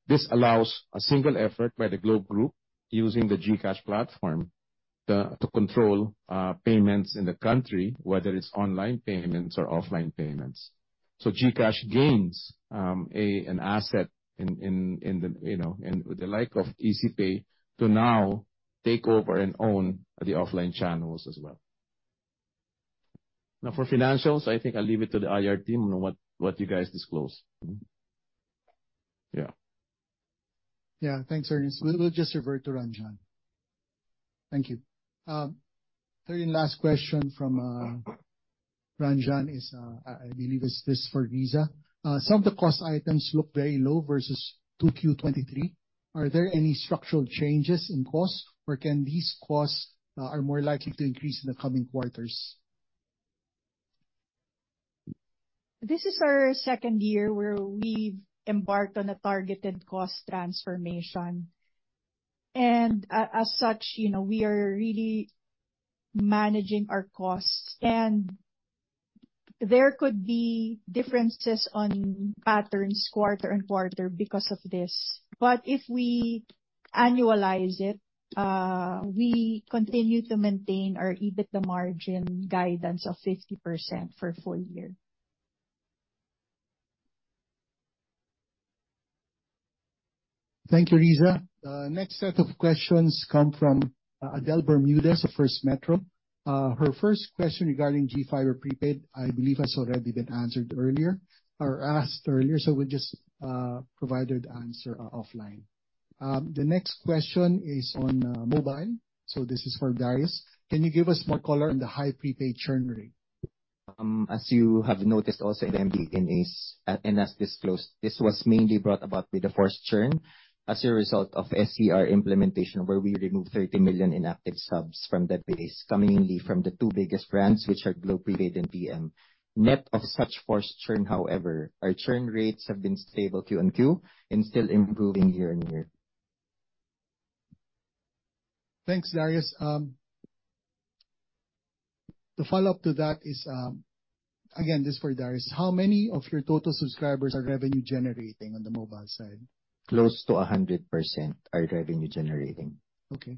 This allows a single effort by the Globe Group, using the GCash platform, to control payments in the country, whether it's online payments or offline payments. So GCash gains an asset in, you know, in the like of ECPay, to now take over and own the offline channels as well. Now, for financials, I think I'll leave it to the IR team on what you guys disclose. Yeah. Yeah. Thanks, Ernest. We will just revert to Ranjan. Thank you. Third and last question from Ranjan is, I believe, is this for Rizza. Some of the cost items look very low versus 2Q 2023. Are there any structural changes in costs, or can these costs are more likely to increase in the coming quarters? This is our second year where we've embarked on a targeted cost transformation. As such, you know, we are really managing our costs, and there could be differences on patterns quarter and quarter because of this. But if we annualize it, we continue to maintain our EBITDA margin guidance of 50% for full year. Thank you, Rizza. Next set of questions come from Adel Bermudez of First Metro. Her first question regarding GFiber Prepaid, I believe has already been answered earlier or asked earlier, so we'll just provide her the answer offline. The next question is on mobile, so this is for Darius. Can you give us more color on the high prepaid churn rate? As you have noticed also in the [NNS], and as disclosed, this was mainly brought about by the forced churn as a result of SCR implementation, where we removed 30 million inactive subs from that base, coming in from the two biggest brands, which are Globe Prepaid and TM. Net of such forced churn, however, our churn rates have been stable QoQ, and still improving year-on-year. Thanks, Darius. The follow-up to that is, again, this is for Darius: How many of your total subscribers are revenue generating on the mobile side? Close to 100% are revenue generating. Okay.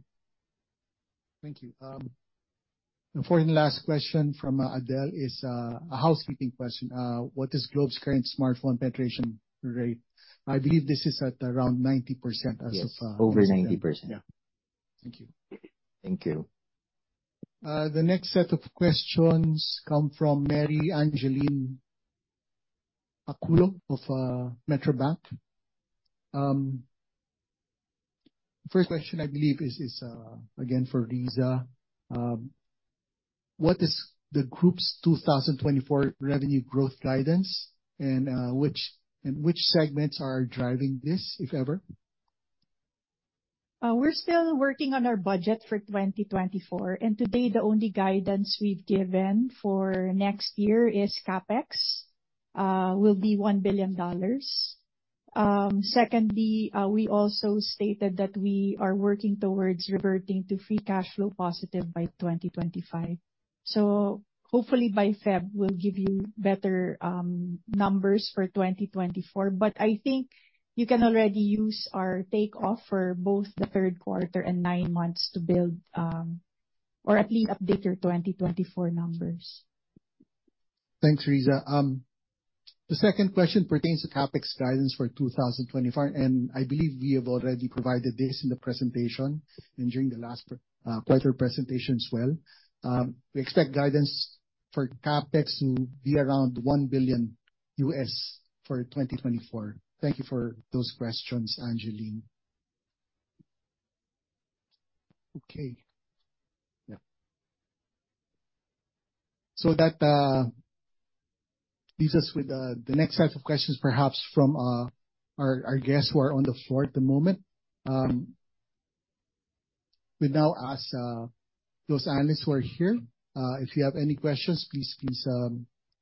Thank you. And fourth and last question from Adel is a housekeeping question. What is Globe's current smartphone penetration rate? I believe this is at around 90% as of Yes, over 90%. Yeah. Thank you. Thank you. The next set of questions come from Mary Angeline Aculo of Metrobank. First question, I believe, is again for Rizza. What is the Group's 2024 revenue growth guidance, and which segments are driving this, if ever? We're still working on our budget for 2024, and to date, the only guidance we've given for next year is CapEx will be $1 billion. Secondly, we also stated that we are working towards reverting to free cash flow positive by 2025. So hopefully by February, we'll give you better numbers for 2024. But I think you can already use our takeoff for both the third quarter and nine months to build or at least update your 2024 numbers. Thanks, Rizza. The second question pertains to CapEx guidance for 2025, and I believe we have already provided this in the presentation and during the last quarter presentation as well. We expect guidance for CapEx to be around $1 billion for 2024. Thank you for those questions, Angeline. Okay. Yeah. So that leaves us with the next set of questions, perhaps from our guests who are on the floor at the moment. We now ask those analysts who are here if you have any questions, please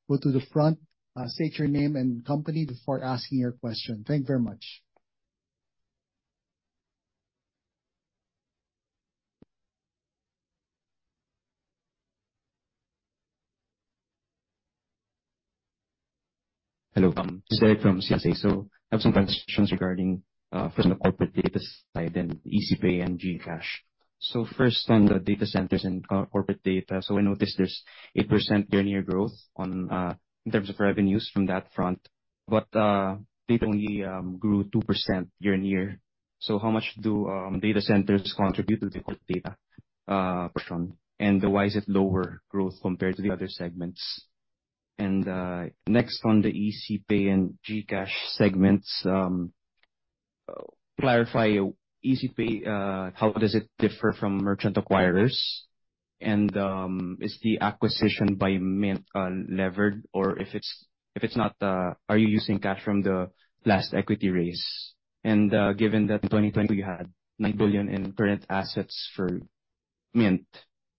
go to the front. State your name and company before asking your question. Thank you very much. Hello, Jose from CLSA. So I have some questions regarding, first on the corporate data side, then ECPay and GCash. So first on the data centers and corporate data. So I noticed there's 8% year-on-year growth on, in terms of revenues from that front, but, data only, grew 2% year-on-year. So how much do data centers contribute to the corporate data portion? And then why is it lower growth compared to the other segments? And, next, on the ECPay and GCash segments, clarify ECPay, how does it differ from merchant acquirers? And, is the acquisition by Mynt, levered, or if it's, if it's not, are you using cash from the last equity raise? And, given that in 2020 we had 9 billion in current assets for Mynt,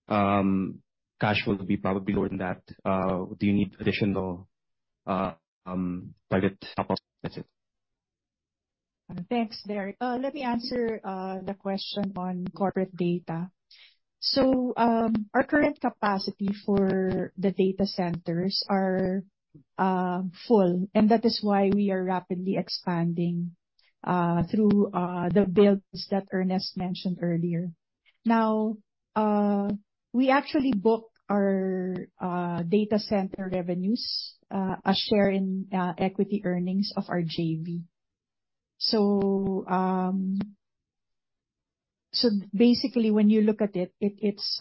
cash flow will be probably lower than that, do you need additional target capital? That's it. Thanks. Let me answer the question on corporate data. So, our current capacity for the data centers are full, and that is why we are rapidly expanding through the builds that Ernest mentioned earlier. Now, we actually book our data center revenues a share in equity earnings of our JV. So, basically, when you look at it, it's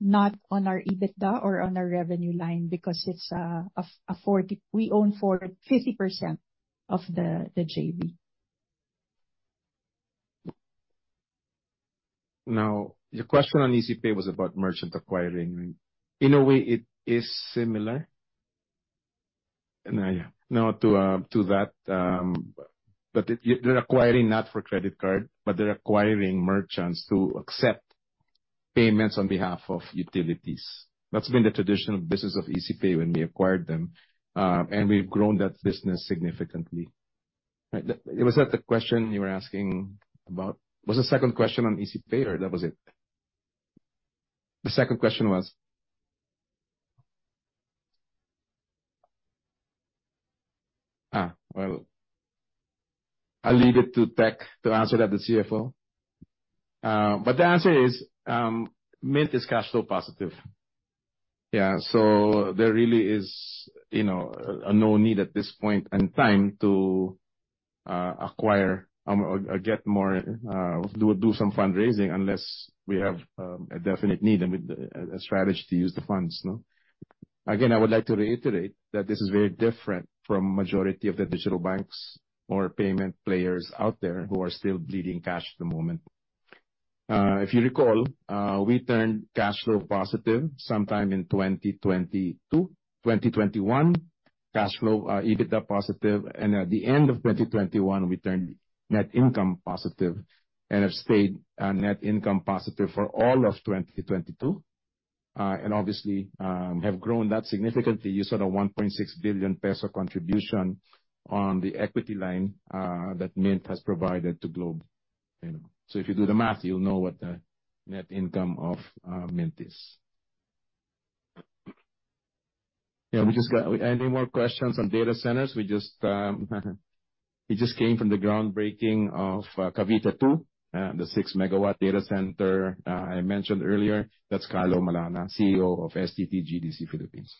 not on our EBITDA or on our revenue line, because it's we own 40%-50% of the JV. Now, your question on ECPay was about merchant acquiring. In a way, it is similar. Yeah, now to that, but they're acquiring not for credit card, but they're acquiring merchants to accept payments on behalf of utilities. That's been the traditional business of ECPay when we acquired them, and we've grown that business significantly. Right, was that the question you were asking about? Was the second question on ECPay, or that was it? The second question was? Ah, well, I'll leave it to tech to answer that, the CFO. But the answer is, Mynt is cash flow positive. Yeah, so there really is, you know, no need at this point and time to acquire or get more, do some fundraising unless we have a definite need and we a strategy to use the funds, no? Again, I would like to reiterate that this is very different from majority of the digital banks or payment players out there who are still bleeding cash at the moment. If you recall, we turned cash flow positive sometime in 2022. 2021, cash flow EBITDA positive, and at the end of 2021, we turned net income positive and have stayed net income positive for all of 2022. And obviously, have grown that significantly. You saw the 1.6 billion peso contribution on the equity line that Mynt has provided to Globe, you know. So if you do the math, you'll know what the net income of Mynt is. Yeah, we just got. Any more questions on data centers? We just came from the groundbreaking of Cavite 2, the 6 MW data center I mentioned earlier. That's Carlo Malana, CEO of STT GDC Philippines.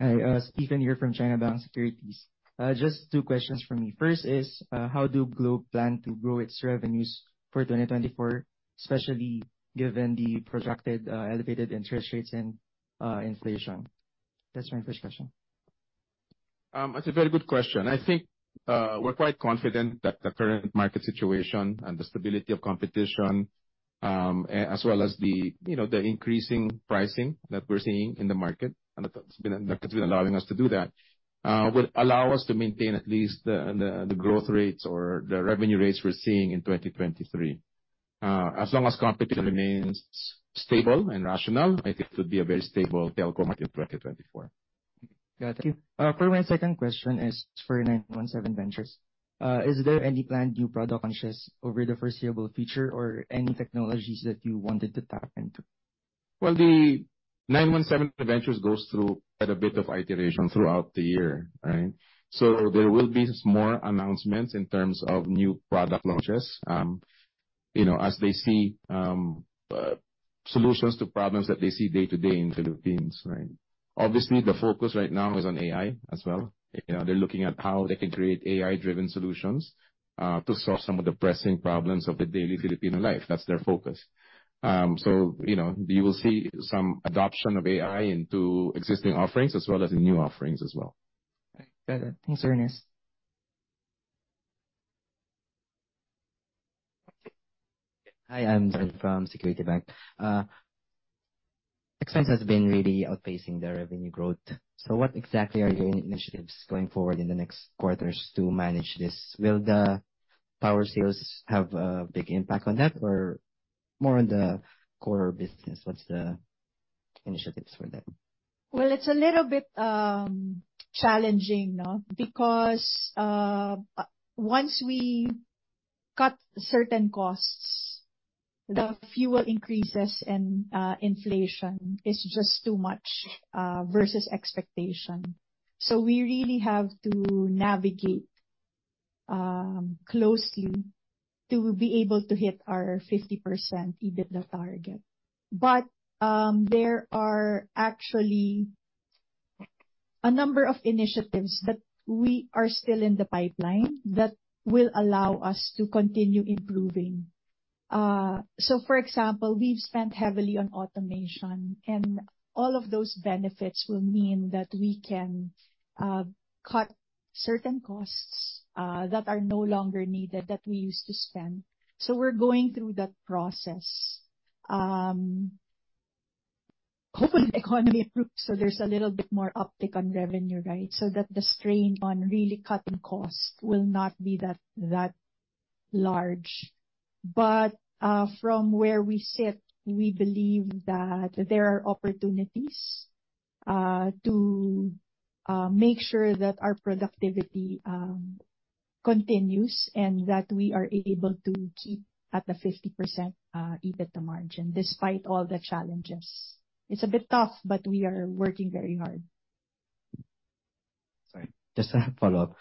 Hi, Stephen here from China Securities. Just two questions from me. First is, how do Globe plan to grow its revenues for 2024, especially given the projected, elevated interest rates and, inflation? That's my first question. That's a very good question. I think, we're quite confident that the current market situation and the stability of competition, as well as the, you know, the increasing pricing that we're seeing in the market, and that's been, that's been allowing us to do that, will allow us to maintain at least the growth rates or the revenue rates we're seeing in 2023. As long as competition remains stable and rational, I think it would be a very stable telecom market in 2024. Got it. For my second question is for 917Ventures. Is there any planned new product launches over the foreseeable future or any technologies that you wanted to tap into? Well, the 917Ventures goes through quite a bit of iteration throughout the year, right? So there will be some more announcements in terms of new product launches, you know, as they see, solutions to problems that they see day-to-day in Philippines, right? Obviously, the focus right now is on AI as well. You know, they're looking at how they can create AI-driven solutions, to solve some of the pressing problems of the daily Filipino life. That's their focus. So, you know, you will see some adoption of AI into existing offerings, as well as in new offerings as well. Got it. Thanks, Ernest. Hi, I'm John from Security Bank. Expense has been really outpacing the revenue growth, so what exactly are your initiatives going forward in the next quarters to manage this? Will the power sales have a big impact on that or more on the core business? What's the initiatives for that? Well, it's a little bit challenging, no? Because once we cut certain costs the fuel increases and inflation is just too much versus expectation. So we really have to navigate closely to be able to hit our 50% EBITDA target. But there are actually a number of initiatives that we are still in the pipeline that will allow us to continue improving. So for example, we've spent heavily on automation, and all of those benefits will mean that we can cut certain costs that are no longer needed, that we used to spend. So we're going through that process. Open economy improved, so there's a little bit more uptick on revenue, right? So that the strain on really cutting costs will not be that large. But from where we sit, we believe that there are opportunities to make sure that our productivity continues, and that we are able to keep at the 50% EBITDA margin, despite all the challenges. It's a bit tough, but we are working very hard. Sorry, just a follow-up.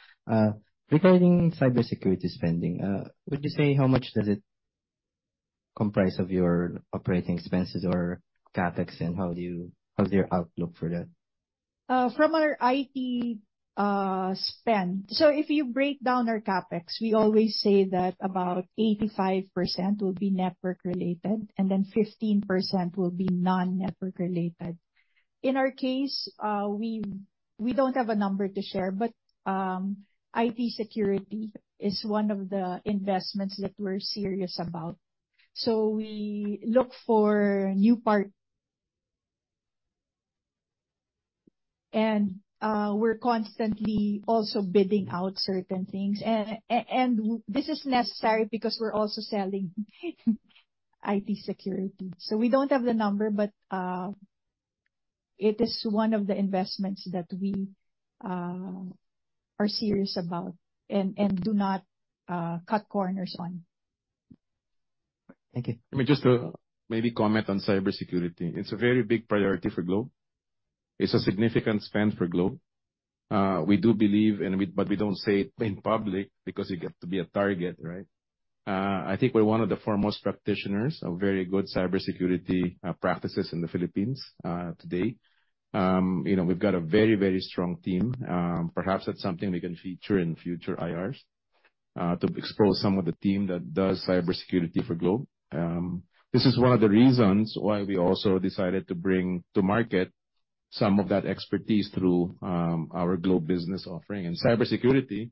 Regarding cybersecurity spending, would you say how much does it comprise of your operating expenses or CapEx, and how do you, how's your outlook for that? From our IT spend. So if you break down our CapEx, we always say that about 85% will be network related, and then 15% will be non-network related. In our case, we don't have a number to share, but IT security is one of the investments that we're serious about. So we look for new partners and we're constantly also bidding out certain things. And this is necessary because we're also selling IT security. So we don't have the number, but it is one of the investments that we are serious about and do not cut corners on. Thank you. Let me just, maybe comment on cybersecurity. It's a very big priority for Globe. It's a significant spend for Globe. We do believe, but we don't say it in public because you get to be a target, right? I think we're one of the foremost practitioners of very good cybersecurity practices in the Philippines today. You know, we've got a very, very strong team. Perhaps that's something we can feature in future IRs to expose some of the team that does cybersecurity for Globe. This is one of the reasons why we also decided to bring to market some of that expertise through our Globe Business offering. And cybersecurity,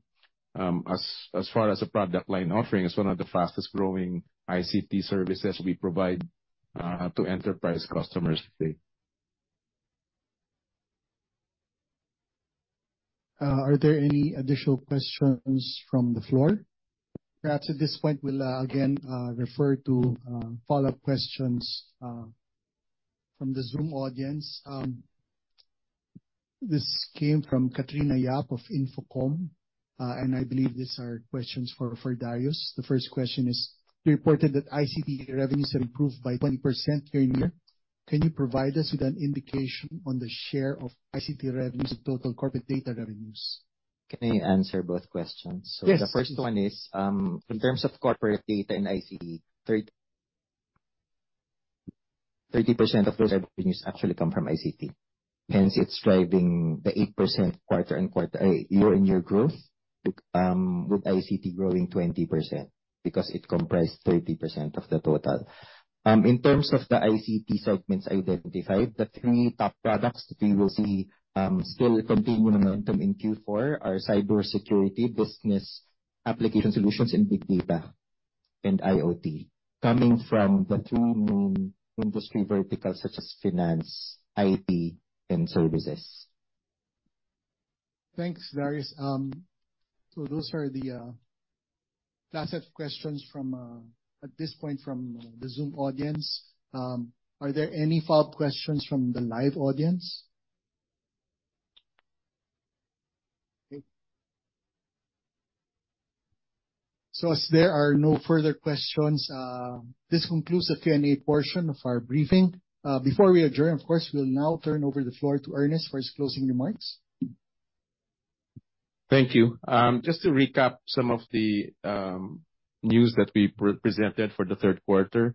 as far as a product line offering, is one of the fastest growing ICT services we provide to enterprise customers today. Are there any additional questions from the floor? Perhaps at this point, we'll again refer to follow-up questions from the Zoom audience. This came from Katrina Yap of InfoCom, and I believe these are questions for Darius. The first question is: You reported that ICT revenues have improved by 20% year-over-year. Can you provide us with an indication on the share of ICT revenues of total corporate data revenues? Can I answer both questions? Yes. So the first one is, in terms of corporate data and ICT, 30% of those revenues actually come from ICT. Hence, it's driving the 8% quarter-on-quarter, year-on-year growth, with ICT growing 20%, because it comprised 30% of the total. In terms of the ICT segments identified, the three top products that we will see still continuing the momentum in Q4 are cybersecurity, business application solutions, and big data and IoT, coming from the three main industry verticals such as finance, IT, and services. Thanks, Darius. So those are the last set of questions from, at this point, from the Zoom audience. Are there any follow-up questions from the live audience? Okay. So as there are no further questions, this concludes the Q&A portion of our briefing. Before we adjourn, of course, we'll now turn over the floor to Ernest for his closing remarks. Thank you. Just to recap some of the news that we pre-presented for the third quarter,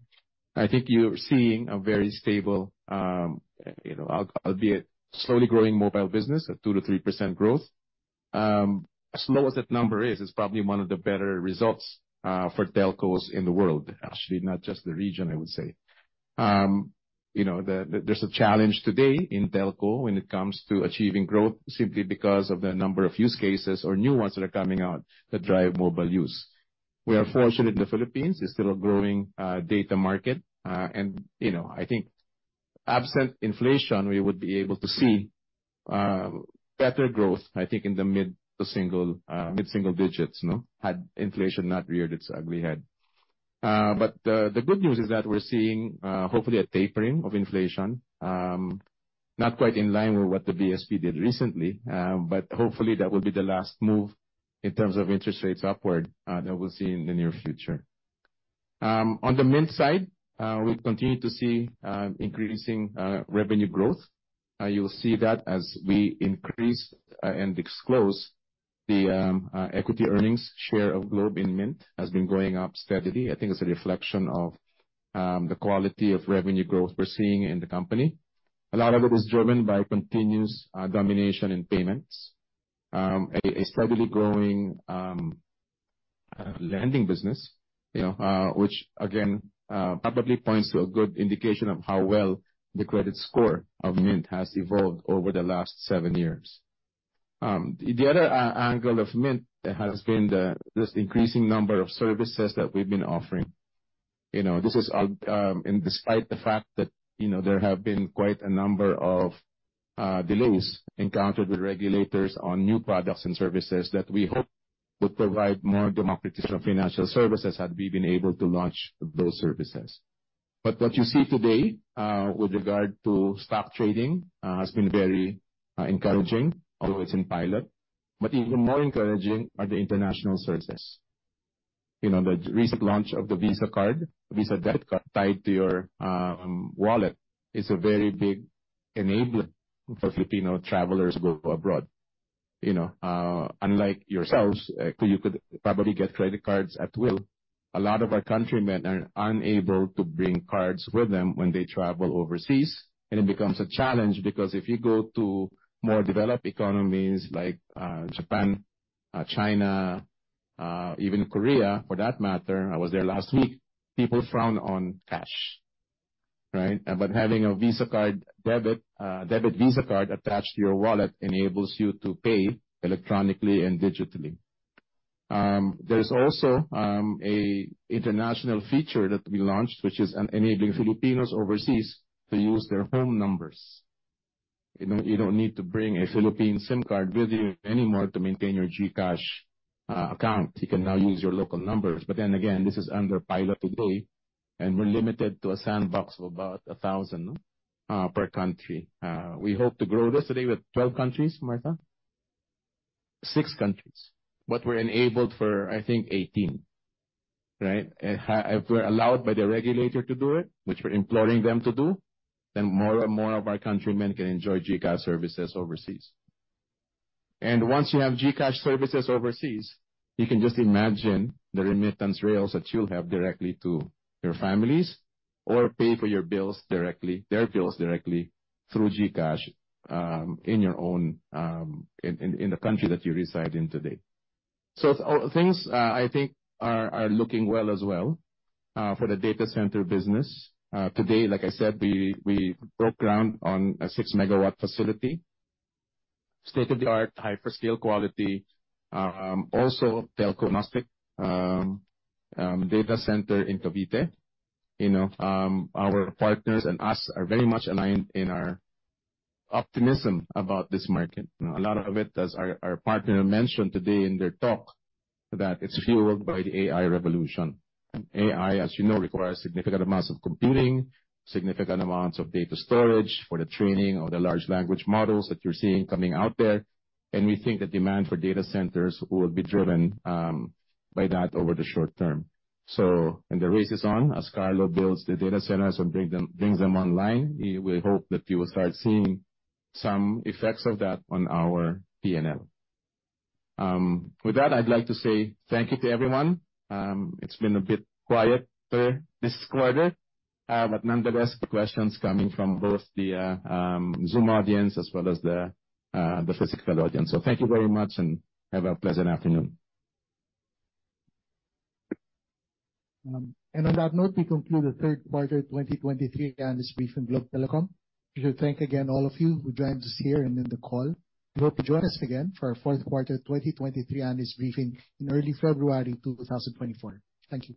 I think you're seeing a very stable, you know, albeit slowly growing mobile business of 2%-3% growth. As low as that number is, it's probably one of the better results for telcos in the world, actually, not just the region, I would say. You know, there's a challenge today in telco when it comes to achieving growth simply because of the number of use cases or new ones that are coming out that drive mobile use. We are fortunate in the Philippines. It's still a growing data market. And, you know, I think absent inflation, we would be able to see better growth, I think, in the mid- to single, mid-single digits, no? Had inflation not reared its ugly head. But the good news is that we're seeing hopefully a tapering of inflation, not quite in line with what the BSP did recently, but hopefully that will be the last move in terms of interest rates upward that we'll see in the near future. On the Mynt side, we'll continue to see increasing revenue growth. You'll see that as we increase and disclose the equity earnings share of Globe in Mynt has been growing up steadily. I think it's a reflection of the quality of revenue growth we're seeing in the company. A lot of it is driven by continuous domination in payments, a steadily growing lending business, you know, which again probably points to a good indication of how well the credit score of Mynt has evolved over the last seven years. The other angle of Mynt has been this increasing number of services that we've been offering. You know, this is and despite the fact that, you know, there have been quite a number of delays encountered with regulators on new products and services that we hope would provide more democratized financial services had we been able to launch those services. But what you see today with regard to stock trading has been very encouraging, although it's in pilot. But even more encouraging are the international services. You know, the recent launch of the Visa card, Visa debit card, tied to your wallet is a very big enabler for Filipino travelers who go abroad. You know, unlike yourselves, you could probably get credit cards at will. A lot of our countrymen are unable to bring cards with them when they travel overseas, and it becomes a challenge because if you go to more developed economies like Japan, China, even Korea, for that matter, I was there last week, people frown on cash, right? But having a Visa card debit, debit Visa card attached to your wallet enables you to pay electronically and digitally. There's also a international feature that we launched, which is enabling Filipinos overseas to use their home numbers. You know, you don't need to bring a Philippine SIM card with you anymore to maintain your GCash account. You can now use your local numbers, but then again, this is under pilot today, and we're limited to a sandbox of about 1,000 per country. We hope to grow this today with 12 countries, Martha? Six countries, but we're enabled for, I think, 18. Right? If we're allowed by the regulator to do it, which we're imploring them to do, then more and more of our countrymen can enjoy GCash services overseas. And once you have GCash services overseas, you can just imagine the remittance rails that you'll have directly to your families, or pay for your bills directly, their bills directly through GCash, in your own, in the country that you reside in today. So things, I think, are, are looking well as well, for the data center business. Today, like I said, we, we broke ground on a 6 MW facility, state-of-the-art, hyperscale quality, also Telco-MasTec, data center in Cavite. You know, our partners and us are very much aligned in our optimism about this market. A lot of it, as our, our partner mentioned today in their talk, that it's fueled by the AI revolution. And AI, as you know, requires significant amounts of computing, significant amounts of data storage for the training of the large language models that you're seeing coming out there, and we think the demand for data centers will be driven, by that over the short term. So, and the race is on. As Carlo builds the data centers and brings them online, we hope that you will start seeing some effects of that on our P&L. With that, I'd like to say thank you to everyone. It's been a bit quieter this quarter, but nonetheless, the questions coming from both the Zoom audience as well as the physical audience. So thank you very much, and have a pleasant afternoon. And on that note, we conclude the Third Quarter of 2023 Analyst Briefing Globe Telecom. We thank again all of you who joined us here and in the call. We hope you join us again for our fourth quarter of 2023 analyst briefing in early February 2024. Thank you.